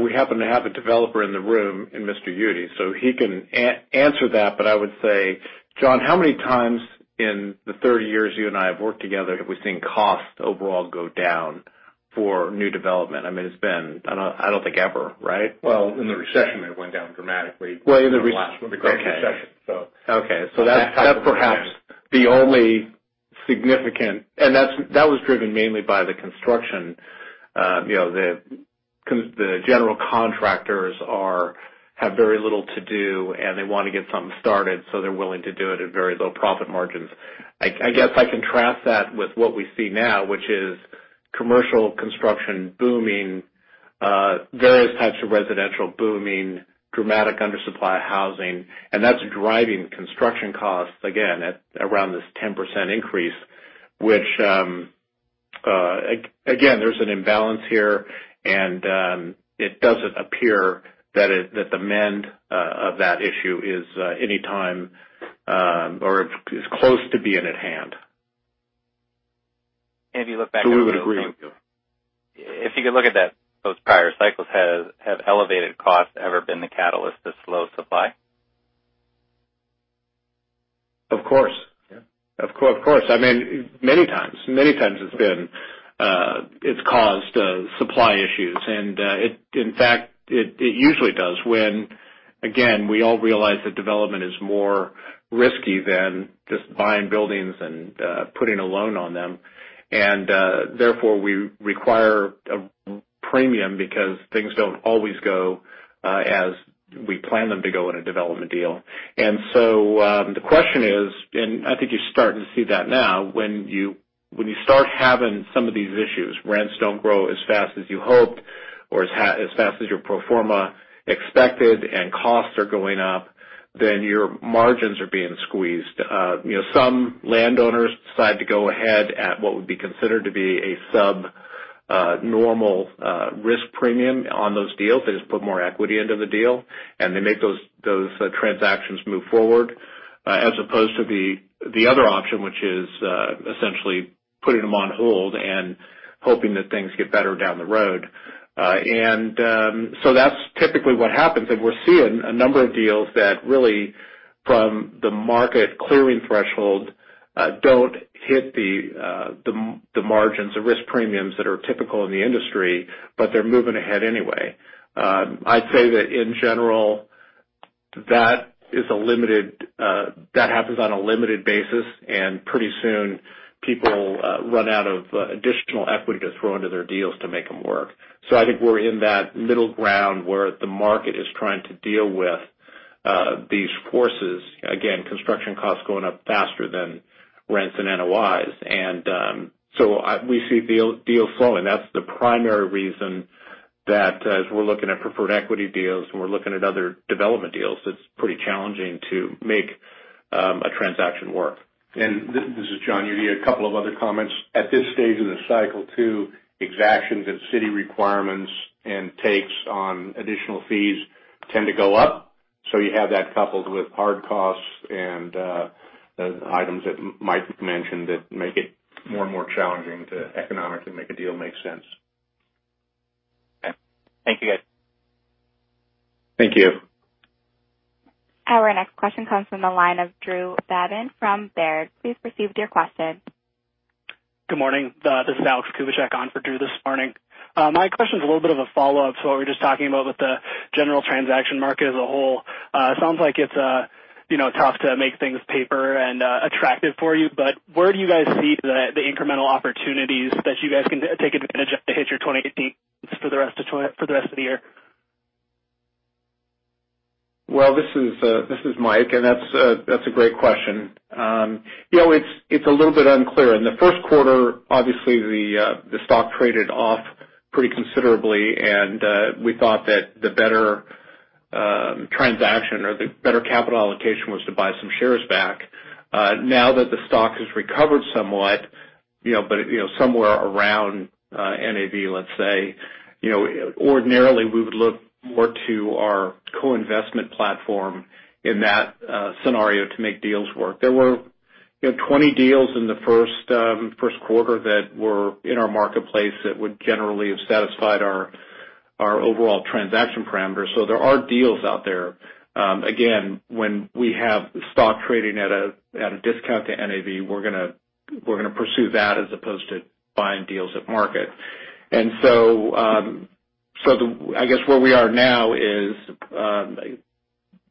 We happen to have a developer in the room, in Mr. Eudy, he can answer that. I would say, John, how many times in the 30 years you and I have worked together have we seen cost overall go down for new development? It's been, I don't think ever, right? Well, in the recession it went down dramatically. Well, in the The great recession. Okay. That's perhaps the only significant That was driven mainly by the construction. The general contractors have very little to do, and they want to get something started, so they're willing to do it at very low profit margins. I guess I contrast that with what we see now, which is commercial construction booming, various types of residential booming, dramatic undersupply of housing, and that's driving construction costs again, at around this 10% increase, which, again, there's an imbalance here, and it doesn't appear that the mend of that issue is anytime, or is close to being at hand. If you look back on We would agree with you. If you could look at those prior cycles, have elevated costs ever been the catalyst to slow supply? Of course. Yeah. Of course. Many times it's caused supply issues. In fact, it usually does when, again, we all realize that development is more risky than just buying buildings and putting a loan on them. Therefore, we require a premium because things don't always go as we plan them to go in a development deal. The question is, and I think you're starting to see that now, when you start having some of these issues, rents don't grow as fast as you hoped or as fast as your pro forma expected, and costs are going up, then your margins are being squeezed. Some landowners decide to go ahead at what would be considered to be a sub-normal risk premium on those deals. They just put more equity into the deal, they make those transactions move forward, as opposed to the other option, which is essentially putting them on hold and hoping that things get better down the road. That's typically what happens. We're seeing a number of deals that really, from the market clearing threshold, don't hit the margins or risk premiums that are typical in the industry, but they're moving ahead anyway. I'd say that in general, that happens on a limited basis, and pretty soon people run out of additional equity to throw into their deals to make them work. I think we're in that middle ground where the market is trying to deal with these forces. Again, construction costs going up faster than rents and NOIs. We see deals slowing. That's the primary reason that as we're looking at preferred equity deals and we're looking at other development deals, it's pretty challenging to make a transaction work. This is John Eudy. A couple of other comments. At this stage in the cycle too, exactions and city requirements and takes on additional fees tend to go up. You have that coupled with hard costs and items that Mike mentioned that make it more and more challenging to economically make a deal make sense. Okay. Thank you, guys. Thank you. Our next question comes from the line of Drew Babin from Baird. Please proceed with your question. Good morning. This is Alexander Kubicek on for Drew this morning. My question's a little bit of a follow-up to what we were just talking about with the general transaction market as a whole. Where do you guys see the incremental opportunities that you guys can take advantage of to hit your 2018 for the rest of the year? Well, this is Mike, and that's a great question. It's a little bit unclear. In the first quarter, obviously, the stock traded off pretty considerably, and we thought that the better transaction or the better capital allocation was to buy some shares back. Now that the stock has recovered somewhat, somewhere around NAV, let's say, ordinarily we would look more to our co-investment platform in that scenario to make deals work. There were 20 deals in the first quarter that were in our marketplace that would generally have satisfied our overall transaction parameters. There are deals out there. Again, when we have stock trading at a discount to NAV, we're going to pursue that as opposed to buying deals at market. I guess where we are now is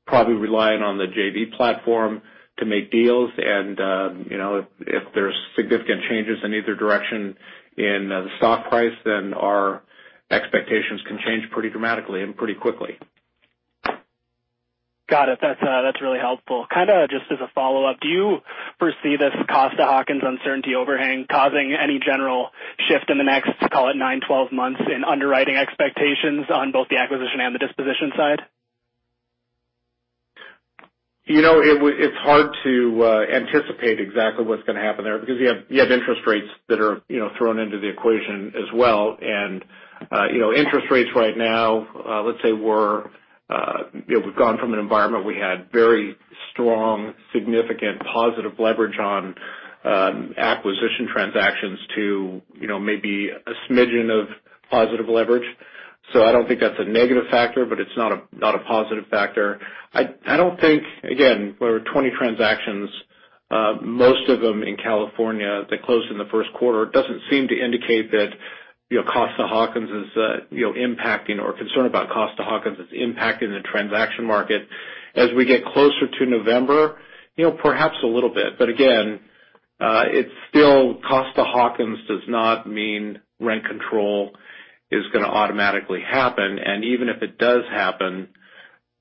probably relying on the JV platform to make deals. If there's significant changes in either direction in the stock price, our expectations can change pretty dramatically and pretty quickly. Got it. That's really helpful. Kind of just as a follow-up, do you foresee this Costa-Hawkins uncertainty overhang causing any general shift in the next, call it nine, 12 months, in underwriting expectations on both the acquisition and the disposition side? It's hard to anticipate exactly what's going to happen there because you have interest rates that are thrown into the equation as well. Interest rates right now, let's say we've gone from an environment we had very strong, significant positive leverage on acquisition transactions to maybe a smidgen of positive leverage. I don't think that's a negative factor, but it's not a positive factor. I don't think, again, there were 20 transactions, most of them in California that closed in the first quarter. It doesn't seem to indicate that Costa-Hawkins is impacting or concern about Costa-Hawkins is impacting the transaction market. As we get closer to November, perhaps a little bit. Again, it's still Costa-Hawkins does not mean rent control is going to automatically happen. Even if it does happen,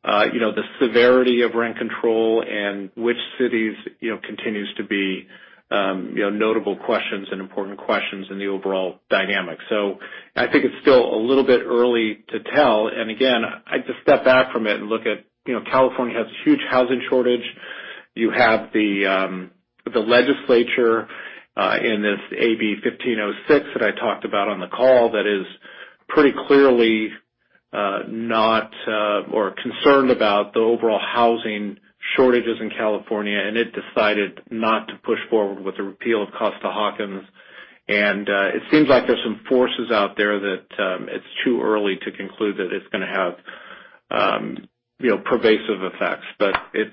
the severity of rent control and which cities continues to be notable questions and important questions in the overall dynamic. I think it's still a little bit early to tell. Again, I'd just step back from it and look at California has this huge housing shortage. You have the legislature in this AB 1506 that I talked about on the call that is pretty clearly or concerned about the overall housing shortages in California, it decided not to push forward with the repeal of Costa-Hawkins. It seems like there's some forces out there that it's too early to conclude that it's going to have pervasive effects.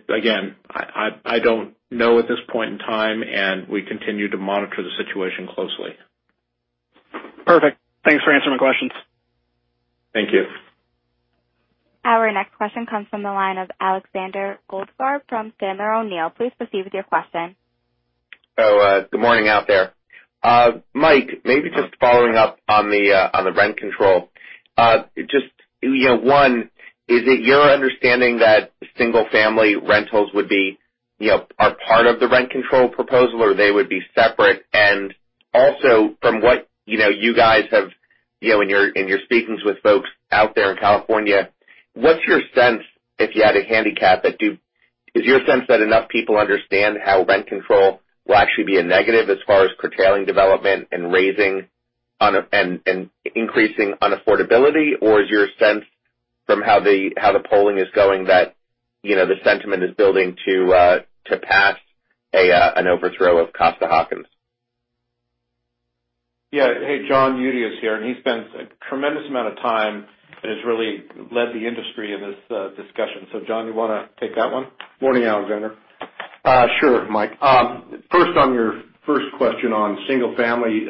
Again, I don't know at this point in time, we continue to monitor the situation closely. Perfect. Thanks for answering my questions. Thank you. Our next question comes from the line of Alexander Goldfarb from Sandler O'Neill. Please proceed with your question. Hello. Good morning out there. Mike, maybe just following up on the rent control. Just, one, is it your understanding that single-family rentals are part of the rent control proposal, or they would be separate? Also, from what you guys have in your speakings with folks out there in California, what's your sense if you had a handicap that? Is your sense that enough people understand how rent control will actually be a negative as far as curtailing development and increasing unaffordability? Or is your sense from how the polling is going that the sentiment is building to pass an overthrow of Costa-Hawkins? Hey, John Eudy is here, he spends a tremendous amount of time and has really led the industry in this discussion. John, you want to take that one? Morning, Alexander. Sure, Mike. First, on your first question on single family,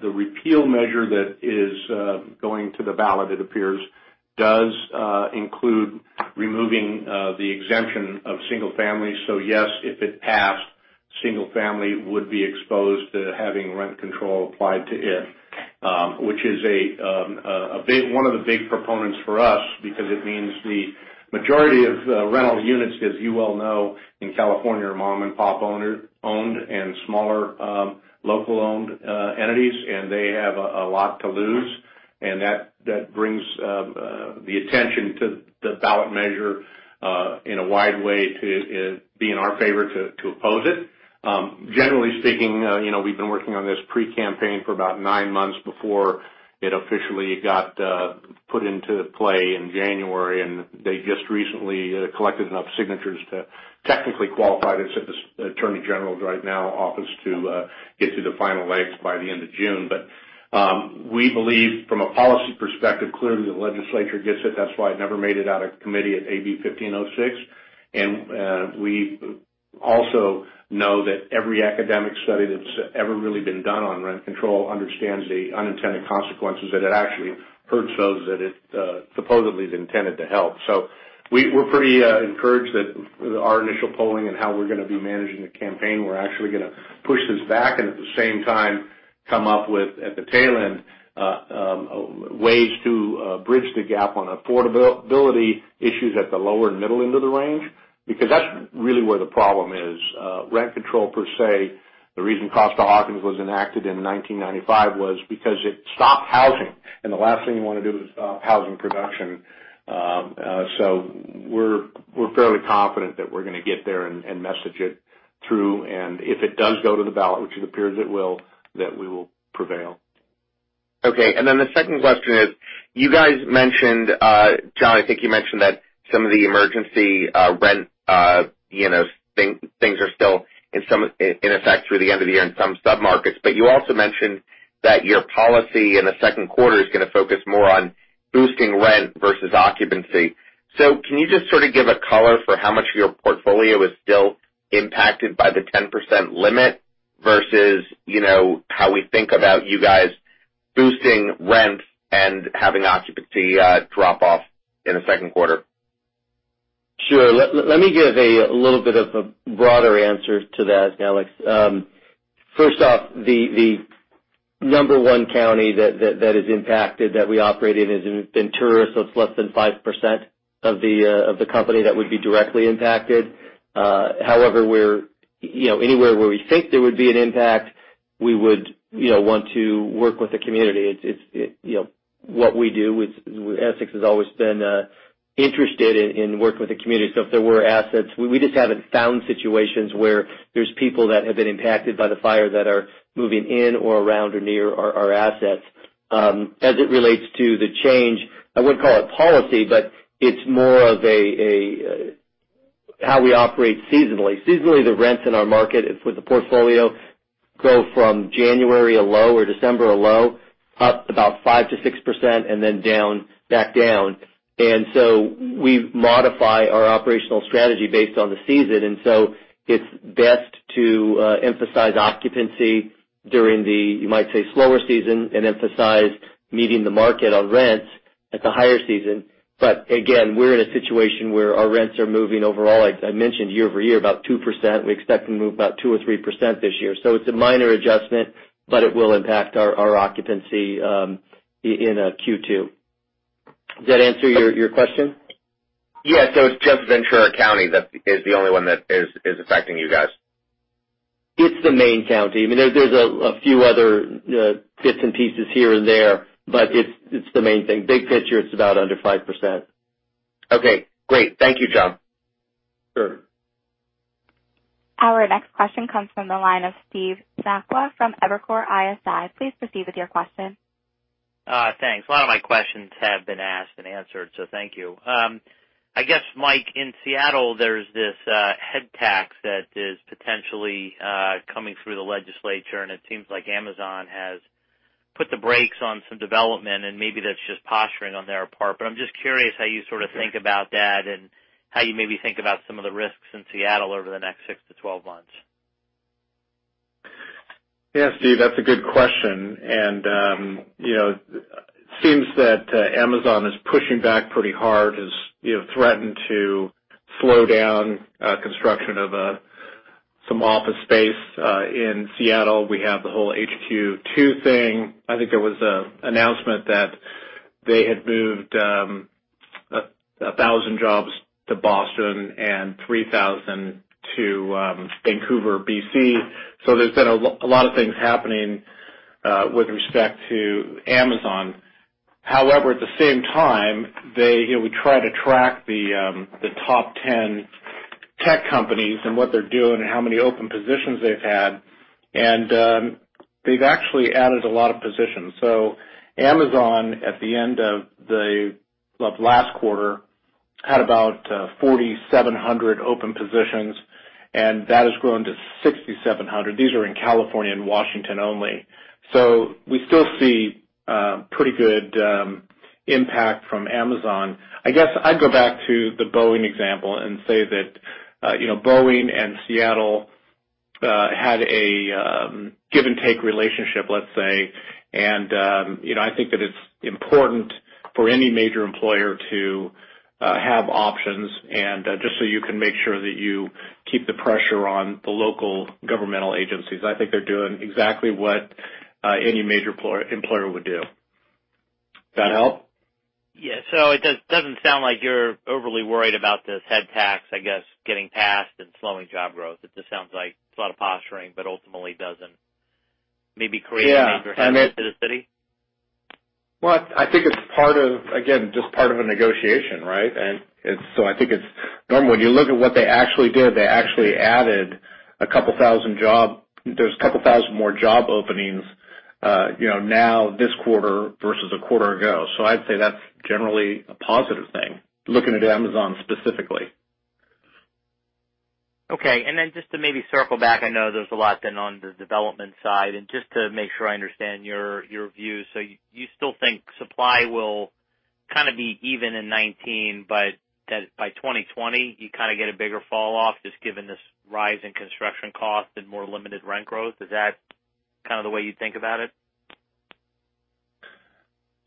the repeal measure that is going to the ballot, it appears, does include removing the exemption of single family. Yes, if it passed, single family would be exposed to having rent control applied to it, which is one of the big proponents for us because it means the majority of rental units, as you well know, in California, are mom-and-pop owned and smaller local-owned entities, they have a lot to lose. That brings the attention to the ballot measure in a wide way to be in our favor to oppose it. Generally speaking, we've been working on this pre-campaign for about nine months before it officially got put into play in January, they just recently collected enough signatures to technically qualify it. It's at the attorney general's right now office to get to the final legs by the end of June. We believe from a policy perspective, clearly the legislature gets it. That's why it never made it out of committee at AB 1506. We also know that every academic study that's ever really been done on rent control understands the unintended consequences, that it actually hurts those that it supposedly is intended to help. We're pretty encouraged that our initial polling and how we're going to be managing the campaign, we're actually going to push this back and at the same time come up with, at the tail end, ways to bridge the gap on affordability issues at the lower and middle end of the range, because that's really where the problem is. Rent control per se, the reason Costa-Hawkins was enacted in 1995 was because it stopped housing, the last thing you want to do is stop housing production. We're fairly confident that we're going to get there and message it through, if it does go to the ballot, which it appears it will, that we will prevail. Okay. The second question is, you guys mentioned, John, I think you mentioned that some of the emergency rent things are still in effect through the end of the year in some sub-markets. You also mentioned that your policy in the second quarter is going to focus more on boosting rent versus occupancy. Can you just sort of give a color for how much of your portfolio is still impacted by the 10% limit versus how we think about you guys boosting rent and having occupancy drop off in the second quarter? Sure. Let me give a little bit of a broader answer to that, Alex. First off, the number 1 county that is impacted that we operate in is Ventura, it's less than 5% of the company that would be directly impacted. However, anywhere where we think there would be an impact, we would want to work with the community. It's what we do. Essex has always been interested in working with the community. If there were assets, we just haven't found situations where there's people that have been impacted by the fire that are moving in or around or near our assets. As it relates to the change, I wouldn't call it policy, but it's more of how we operate seasonally. Seasonally, the rents in our market with the portfolio go from January, a low, or December, a low, up about 5% to 6% and then back down. We modify our operational strategy based on the season. It's best to emphasize occupancy during the, you might say, slower season and emphasize meeting the market on rents at the higher season. We're in a situation where our rents are moving overall, as I mentioned, year-over-year, about 2%. We expect to move about 2% or 3% this year. It's a minor adjustment, but it will impact our occupancy in Q2. Does that answer your question? Yeah. It's just Ventura County that is the only one that is affecting you guys. It's the main county. There's a few other bits and pieces here and there, but it's the main thing. Big picture, it's about under 5%. Okay, great. Thank you, John. Sure. Our next question comes from the line of Steve Sakwa from Evercore ISI. Please proceed with your question. Thanks. A lot of my questions have been asked and answered, thank you. I guess, Mike, in Seattle, there's this head tax that is potentially coming through the legislature, and it seems like Amazon has put the brakes on some development, and maybe that's just posturing on their part. I'm just curious how you sort of think about that and how you maybe think about some of the risks in Seattle over the next six to 12 months. Yeah, Steve, that's a good question. It seems that Amazon is pushing back pretty hard, has threatened to slow down construction of some office space in Seattle. We have the whole HQ2 thing. I think there was an announcement that they had moved 1,000 jobs to Boston and 3,000 to Vancouver, B.C. There's been a lot of things happening with respect to Amazon. However, at the same time, we try to track the top 10 tech companies and what they're doing and how many open positions they've had. They've actually added a lot of positions. Amazon, at the end of last quarter, had about 4,700 open positions, and that has grown to 6,700. These are in California and Washington only. We still see pretty good impact from Amazon. I guess I'd go back to the Boeing example and say that Boeing and Seattle had a give-and-take relationship, let's say. I think that it's important for any major employer to have options and just so you can make sure that you keep the pressure on the local governmental agencies. I think they're doing exactly what any major employer would do. That help? Yeah. It doesn't sound like you're overly worried about this head tax, I guess, getting passed and slowing job growth. It just sounds like it's a lot of posturing, but ultimately doesn't maybe create- Yeah. -a major headwind to the city. Well, I think it's, again, just part of a negotiation, right? I think it's normal. When you look at what they actually did, they actually added a couple thousand more job openings now this quarter versus a quarter ago. I'd say that's generally a positive thing, looking at Amazon specifically. Okay. Just to maybe circle back, I know there's a lot been on the development side, and just to make sure I understand your view. You still think supply will kind of be even in 2019, but that by 2020, you kind of get a bigger fall off just given this rise in construction cost and more limited rent growth? Is that kind of the way you think about it?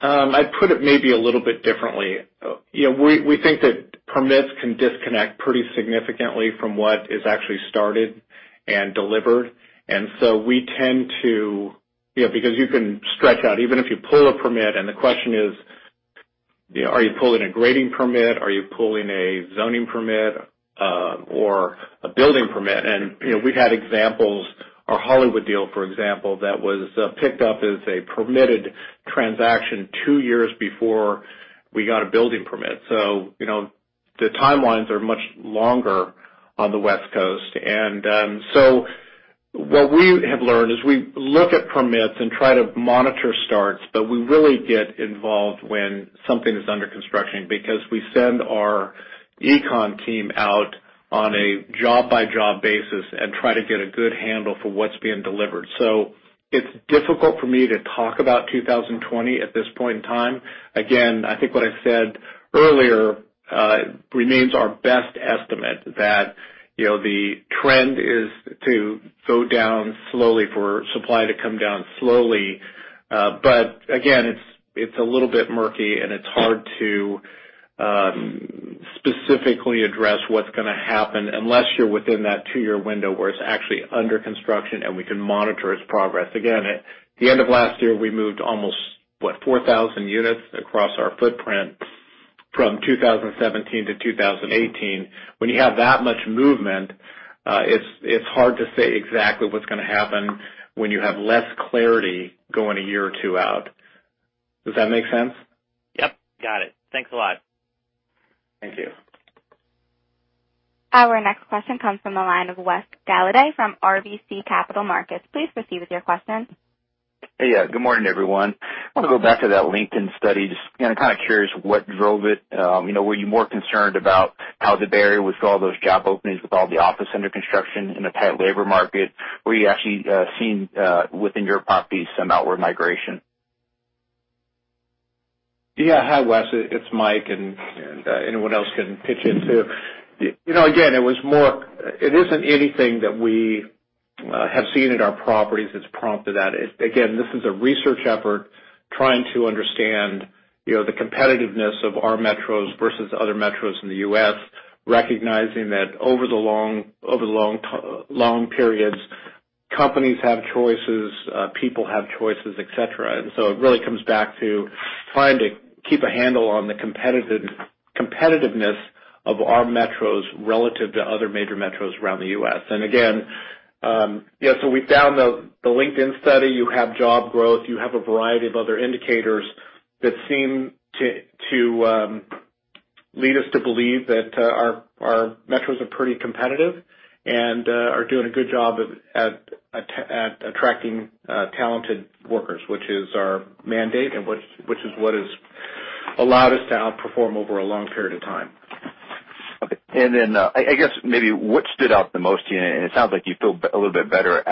I'd put it maybe a little bit differently. We think that permits can disconnect pretty significantly from what is actually started and delivered because you can stretch out even if you pull a permit, and the question is, are you pulling a grading permit? Are you pulling a zoning permit, or a building permit? We've had examples. Our Hollywood deal, for example, that was picked up as a permitted transaction 2 years before we got a building permit. The timelines are much longer on the West Coast. What we have learned is we look at permits and try to monitor starts, but we really get involved when something is under construction because we send our econ team out on a job-by-job basis and try to get a good handle for what's being delivered. It's difficult for me to talk about 2020 at this point in time. Again, I think what I said earlier, remains our best estimate that the trend is to go down slowly, for supply to come down slowly. Again, it's a little bit murky, and it's hard to specifically address what's gonna happen unless you're within that 2-year window where it's actually under construction, and we can monitor its progress. Again, at the end of last year, we moved almost what, 4,000 units across our footprint from 2017 to 2018. When you have that much movement, it's hard to say exactly what's gonna happen when you have less clarity going a year or two out. Does that make sense? Yep. Got it. Thanks a lot. Thank you. Our next question comes from the line of Wes Golladay from RBC Capital Markets. Please proceed with your question. Yeah. Good morning, everyone. I want to go back to that LinkedIn study, just kind of curious what drove it. Were you more concerned about how the barrier with all those job openings, with all the office under construction in a tight labor market? Were you actually seeing, within your properties, some outward migration? Hi, Wes. It's Mike, and anyone else can pitch in, too. It isn't anything that we have seen at our properties that's prompted that. This is a research effort trying to understand the competitiveness of our metros versus other metros in the U.S., recognizing that over the long periods, companies have choices, people have choices, et cetera. It really comes back to trying to keep a handle on the competitiveness of our metros relative to other major metros around the U.S. We found the LinkedIn study. You have job growth. You have a variety of other indicators that seem to lead us to believe that our metros are pretty competitive and are doing a good job at attracting talented workers, which is our mandate and which is what has allowed us to outperform over a long period of time. I guess maybe what stood out the most to you, and it sounds like you feel a little bit better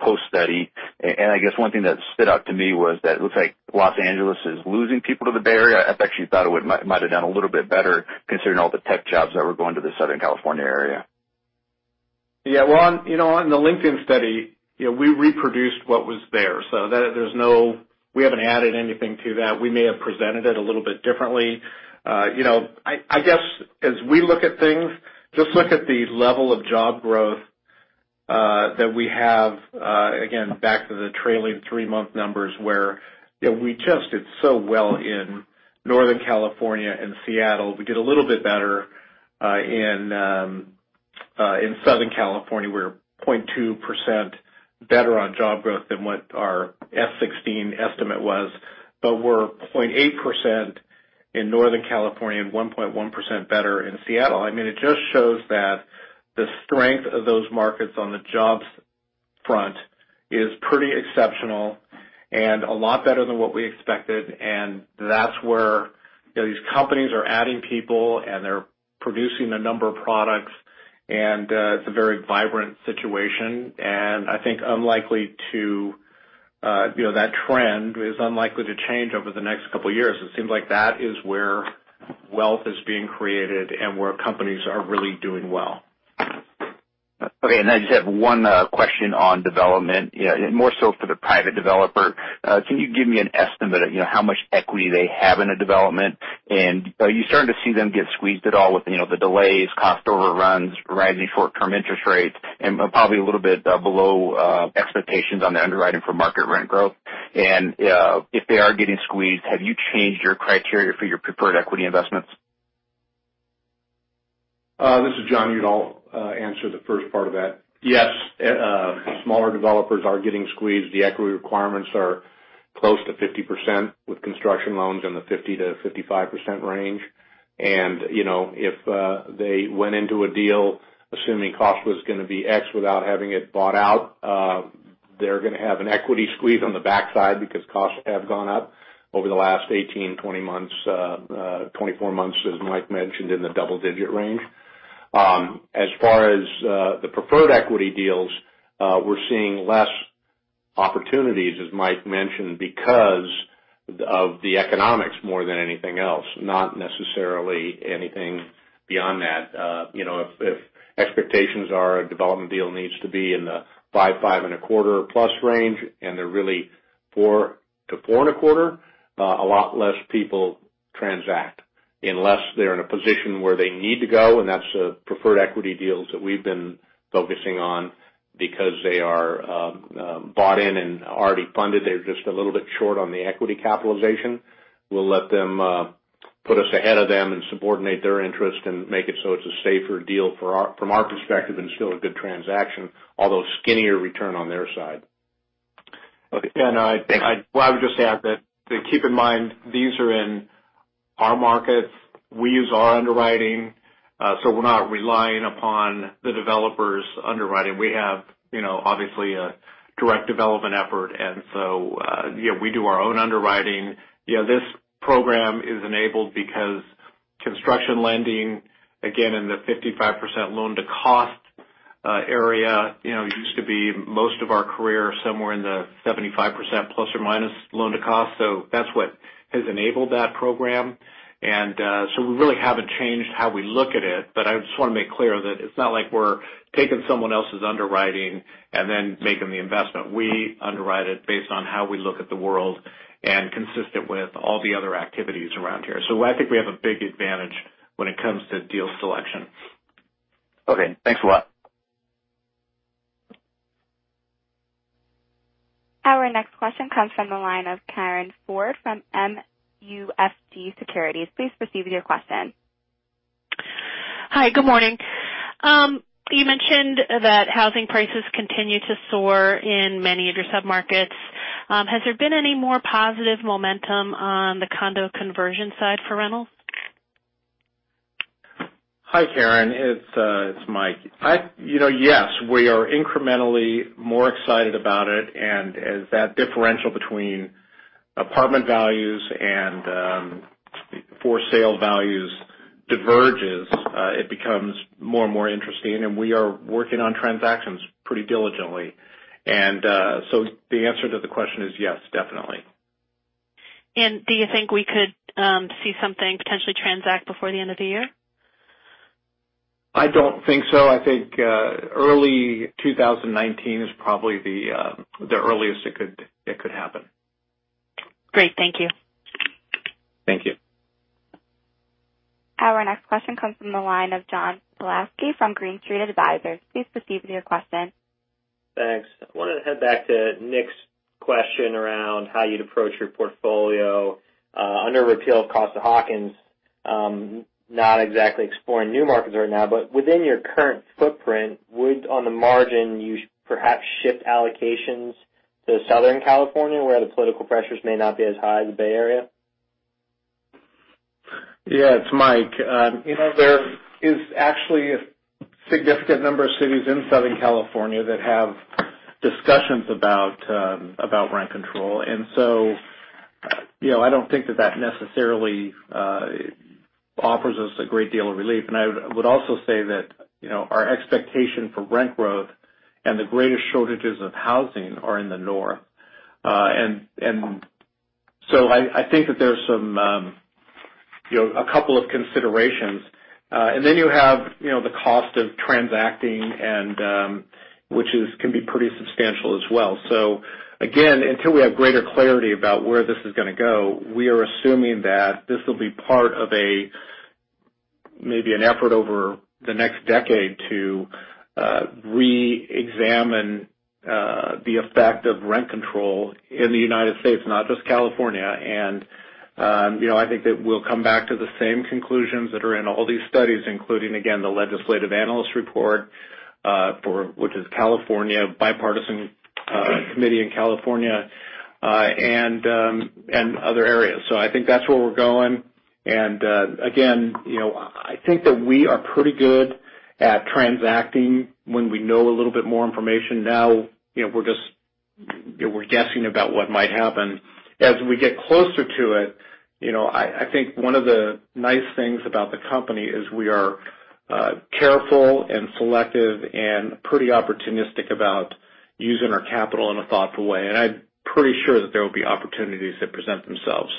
post-study. I guess one thing that stood out to me was that it looks like Los Angeles is losing people to the Bay Area. I actually thought it might have done a little bit better considering all the tech jobs that were going to the Southern California area. Well, on the LinkedIn study, we reproduced what was there, so we haven't added anything to that. We may have presented it a little bit differently. I guess, as we look at things, just look at the level of job growth, that we have, back to the trailing three-month numbers where we just did so well in Northern California and Seattle. We did a little bit better in Southern California. We're 0.2% better on job growth than what our FY 2016 estimate was, but we're 0.8% in Northern California and 1.1% better in Seattle. It just shows that the strength of those markets on the jobs front is pretty exceptional and a lot better than what we expected, and that's where these companies are adding people and they're producing a number of products and it's a very vibrant situation. I think that trend is unlikely to change over the next couple of years. It seems like that is where wealth is being created and where companies are really doing well. Okay. I just have one question on development, more so for the private developer. Can you give me an estimate of how much equity they have in a development? Are you starting to see them get squeezed at all with the delays, cost overruns, rising short-term interest rates, and probably a little bit below expectations on the underwriting for market rent growth? If they are getting squeezed, have you changed your criteria for your preferred equity investments? This is John. I'll answer the first part of that. Yes, smaller developers are getting squeezed. The equity requirements are close to 50% with construction loans in the 50%-55% range. If they went into a deal assuming cost was going to be X without having it bought out, they're going to have an equity squeeze on the backside because costs have gone up over the last 18, 20 months, 24 months, as Mike mentioned, in the double-digit range. As far as the preferred equity deals, we're seeing less opportunities, as Mike mentioned, because of the economics more than anything else, not necessarily anything beyond that. If expectations are a development deal needs to be in the five and a quarter plus range, they're really four and a quarter, a lot less people transact unless they're in a position where they need to go, and that's the preferred equity deals that we've been focusing on because they are bought in and already funded. They're just a little bit short on the equity capitalization. We'll let them put us ahead of them and subordinate their interest and make it so it's a safer deal from our perspective and still a good transaction, although skinnier return on their side. Okay. Thank you. I would just add that, to keep in mind, these are in our markets. We use our underwriting, so we're not relying upon the developer's underwriting. We have obviously a direct development effort, and so we do our own underwriting. This program is enabled because construction lending, again, in the 55% loan-to-cost area, used to be most of our career somewhere in the 75% ± loan to cost. That's what has enabled that program. We really haven't changed how we look at it. I just want to make clear that it's not like we're taking someone else's underwriting and then making the investment. We underwrite it based on how we look at the world and consistent with all the other activities around here. I think we have a big advantage when it comes to deal selection. Okay. Thanks a lot. Our next question comes from the line of Karin Ford from MUFG Securities. Please proceed with your question. Hi. Good morning. You mentioned that housing prices continue to soar in many of your sub-markets. Has there been any more positive momentum on the condo conversion side for rentals? Hi, Karen. It's Mike. Yes, we are incrementally more excited about it. As that differential between apartment values and for sale values diverges, it becomes more and more interesting, and we are working on transactions pretty diligently. The answer to the question is yes, definitely. Do you think we could see something potentially transact before the end of the year? I don't think so. I think early 2019 is probably the earliest it could happen. Great. Thank you. Thank you. Our next question comes from the line of John Pawlowski from Green Street Advisors. Please proceed with your question. Thanks. I wanted to head back to Nick's question around how you'd approach your portfolio under a repeal of Costa-Hawkins. Not exactly exploring new markets right now, but within your current footprint, would, on the margin, you perhaps shift allocations to Southern California, where the political pressures may not be as high as the Bay Area? Yeah, it's Mike. There is actually a significant number of cities in Southern California that have discussions about rent control. I don't think that that necessarily offers us a great deal of relief. I would also say that our expectation for rent growth and the greatest shortages of housing are in the north. I think that there's a couple of considerations. You have the cost of transacting, which can be pretty substantial as well. Again, until we have greater clarity about where this is going to go, we are assuming that this will be part of maybe an effort over the next decade to reexamine the effect of rent control in the United States, not just California. I think that we'll come back to the same conclusions that are in all these studies, including, again, the Legislative Analyst's Office report, which is a bipartisan committee in California, and other areas. I think that's where we're going. Again, I think that we are pretty good at transacting when we know a little bit more information. Now, we're guessing about what might happen. As we get closer to it, I think one of the nice things about the company is we are careful and selective and pretty opportunistic about using our capital in a thoughtful way. I'm pretty sure that there will be opportunities that present themselves.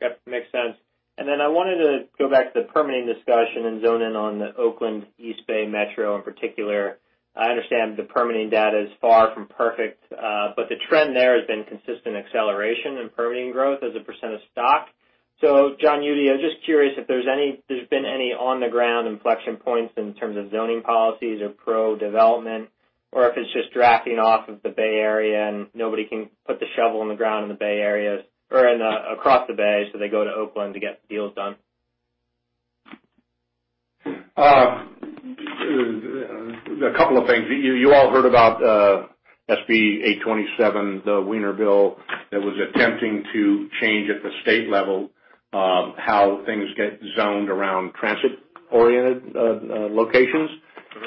Yep, makes sense. Then I wanted to go back to the permitting discussion and zone in on the Oakland East Bay Metro in particular. I understand the permitting data is far from perfect, but the trend there has been consistent acceleration in permitting growth as a % of stock. John Eudy, I'm just curious if there's been any on-the-ground inflection points in terms of zoning policies or pro-development, or if it's just drafting off of the Bay Area and nobody can put the shovel in the ground in the Bay Area or across the bay, so they go to Oakland to get deals done. A couple of things. You all heard about SB 827, the Wiener bill, that was attempting to change at the state level how things get zoned around transit-oriented locations.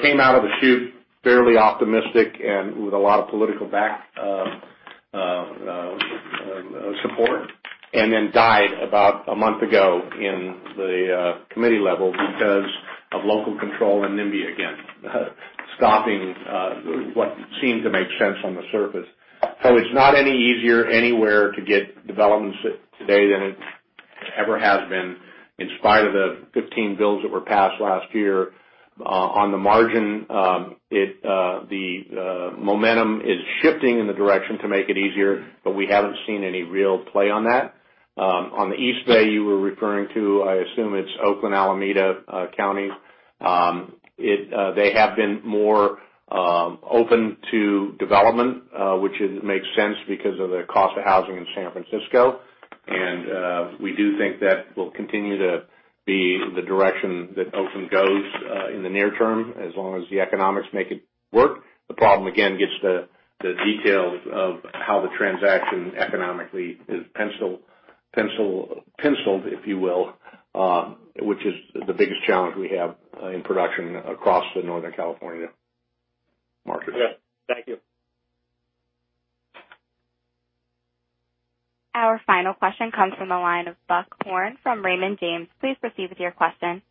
Came out of the chute fairly optimistic and with a lot of political support, then died about a month ago in the committee level because of local control and NIMBY again, stopping what seemed to make sense on the surface. It's not any easier anywhere to get developments today than it ever has been, in spite of the 15 bills that were passed last year. On the margin, the momentum is shifting in the direction to make it easier, but we haven't seen any real play on that. On the East Bay you were referring to, I assume it's Oakland, Alameda County. They have been more open to development, which makes sense because of the cost of housing in San Francisco. We do think that will continue to be the direction that Oakland goes in the near term, as long as the economics make it work. The problem, again, gets the details of how the transaction economically is penciled, if you will, which is the biggest challenge we have in production across the Northern California markets. Thank you. Our final question comes from the line of Buck Horne from Raymond James. Please proceed with your question.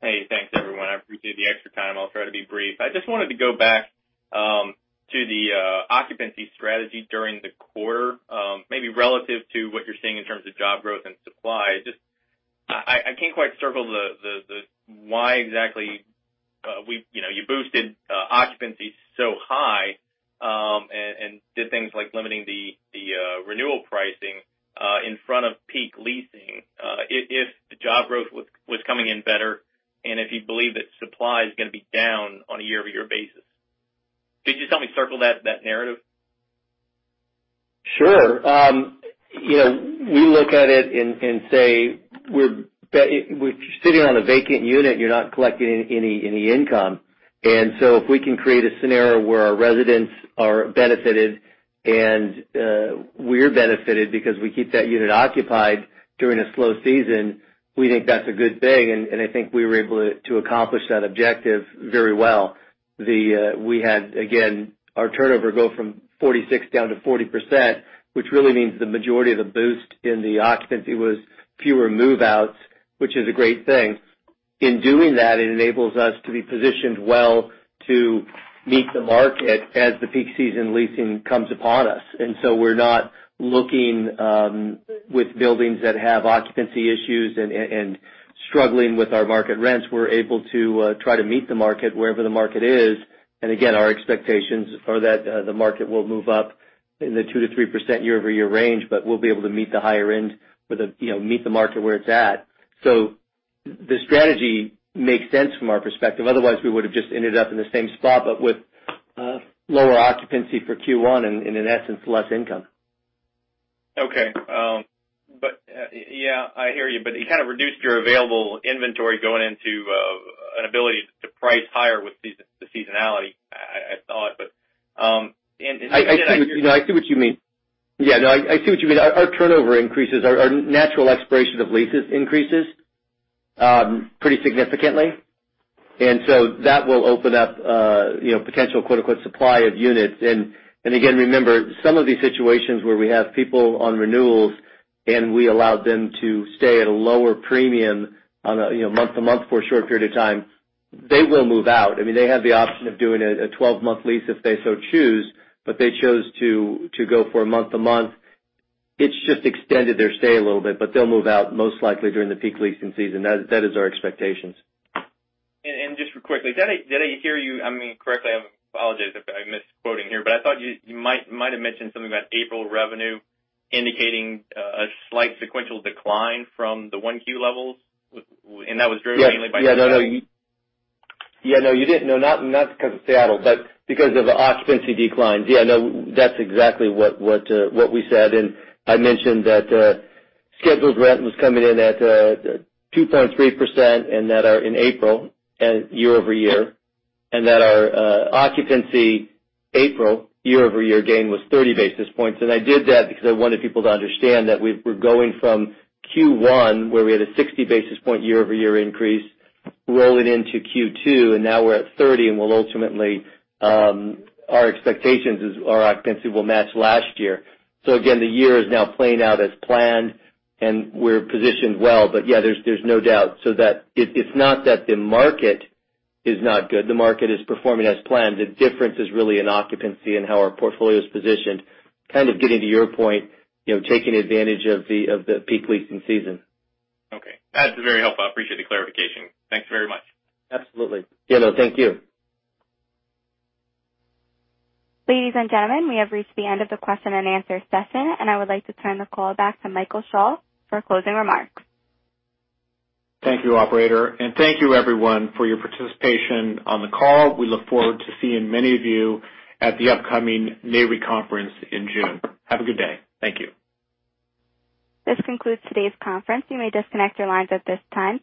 Hey, thanks everyone. I appreciate the extra time. I'll try to be brief. I just wanted to go back to the occupancy strategy during the quarter, maybe relative to what you're seeing in terms of job growth and supply. I can't quite circle the why exactly you boosted occupancy so high, and did things like limiting the renewal pricing in front of peak leasing, if the job growth was coming in better and if you believe that supply is going to be down on a year-over-year basis. Could you just help me circle that narrative? Sure. We look at it and say if you're sitting on a vacant unit, you're not collecting any income. If we can create a scenario where our residents are benefited, and we're benefited because we keep that unit occupied during a slow season, we think that's a good thing, and I think we were able to accomplish that objective very well. We had, again, our turnover go from 46 down to 40%, which really means the majority of the boost in the occupancy was fewer move-outs, which is a great thing. In doing that, it enables us to be positioned well to meet the market as the peak season leasing comes upon us. We're not looking with buildings that have occupancy issues and struggling with our market rents. We're able to try to meet the market wherever the market is. Our expectations are that the market will move up in the 2%-3% year-over-year range, we'll be able to meet the market where it's at. The strategy makes sense from our perspective. Otherwise, we would've just ended up in the same spot, with lower occupancy for Q1 and in essence, less income. Okay. Yeah, I hear you. It kind of reduced your available inventory going into an ability to price higher with the seasonality, I thought. I see what you mean. Yeah, no, I see what you mean. Our turnover increases, our natural expiration of leases increases pretty significantly. That will open up potential, quote unquote, supply of units. Again, remember, some of these situations where we have people on renewals and we allowed them to stay at a lower premium on a month-to-month for a short period of time, they will move out. They have the option of doing a 12-month lease if they so choose, they chose to go for a month-to-month. It's just extended their stay a little bit, they'll move out most likely during the peak leasing season. That is our expectations. Just quickly, did I hear you correctly? I apologize if I'm misquoting here, I thought you might have mentioned something about April revenue indicating a slight sequential decline from the 1Q levels. That was driven mainly by. No, you didn't. No, not because of Seattle, but because of occupancy declines. That's exactly what we said. I mentioned that scheduled rent was coming in at 2.3% in April year-over-year, that our occupancy April year-over-year gain was 30 basis points. I did that because I wanted people to understand that we're going from Q1, where we had a 60 basis point year-over-year increase, rolling into Q2, now we're at 30, and our expectations is our occupancy will match last year. Again, the year is now playing out as planned, and we're positioned well. There's no doubt. It's not that the market is not good. The market is performing as planned. The difference is really in occupancy and how our portfolio is positioned, kind of getting to your point, taking advantage of the peak leasing season. Okay. That's very helpful. I appreciate the clarification. Thanks very much. Absolutely. Thank you. Ladies and gentlemen, we have reached the end of the question and answer session. I would like to turn the call back to Michael Schall for closing remarks. Thank you, operator. Thank you everyone for your participation on the call. We look forward to seeing many of you at the upcoming Nareit conference in June. Have a good day. Thank you. This concludes today's conference. You may disconnect your lines at this time.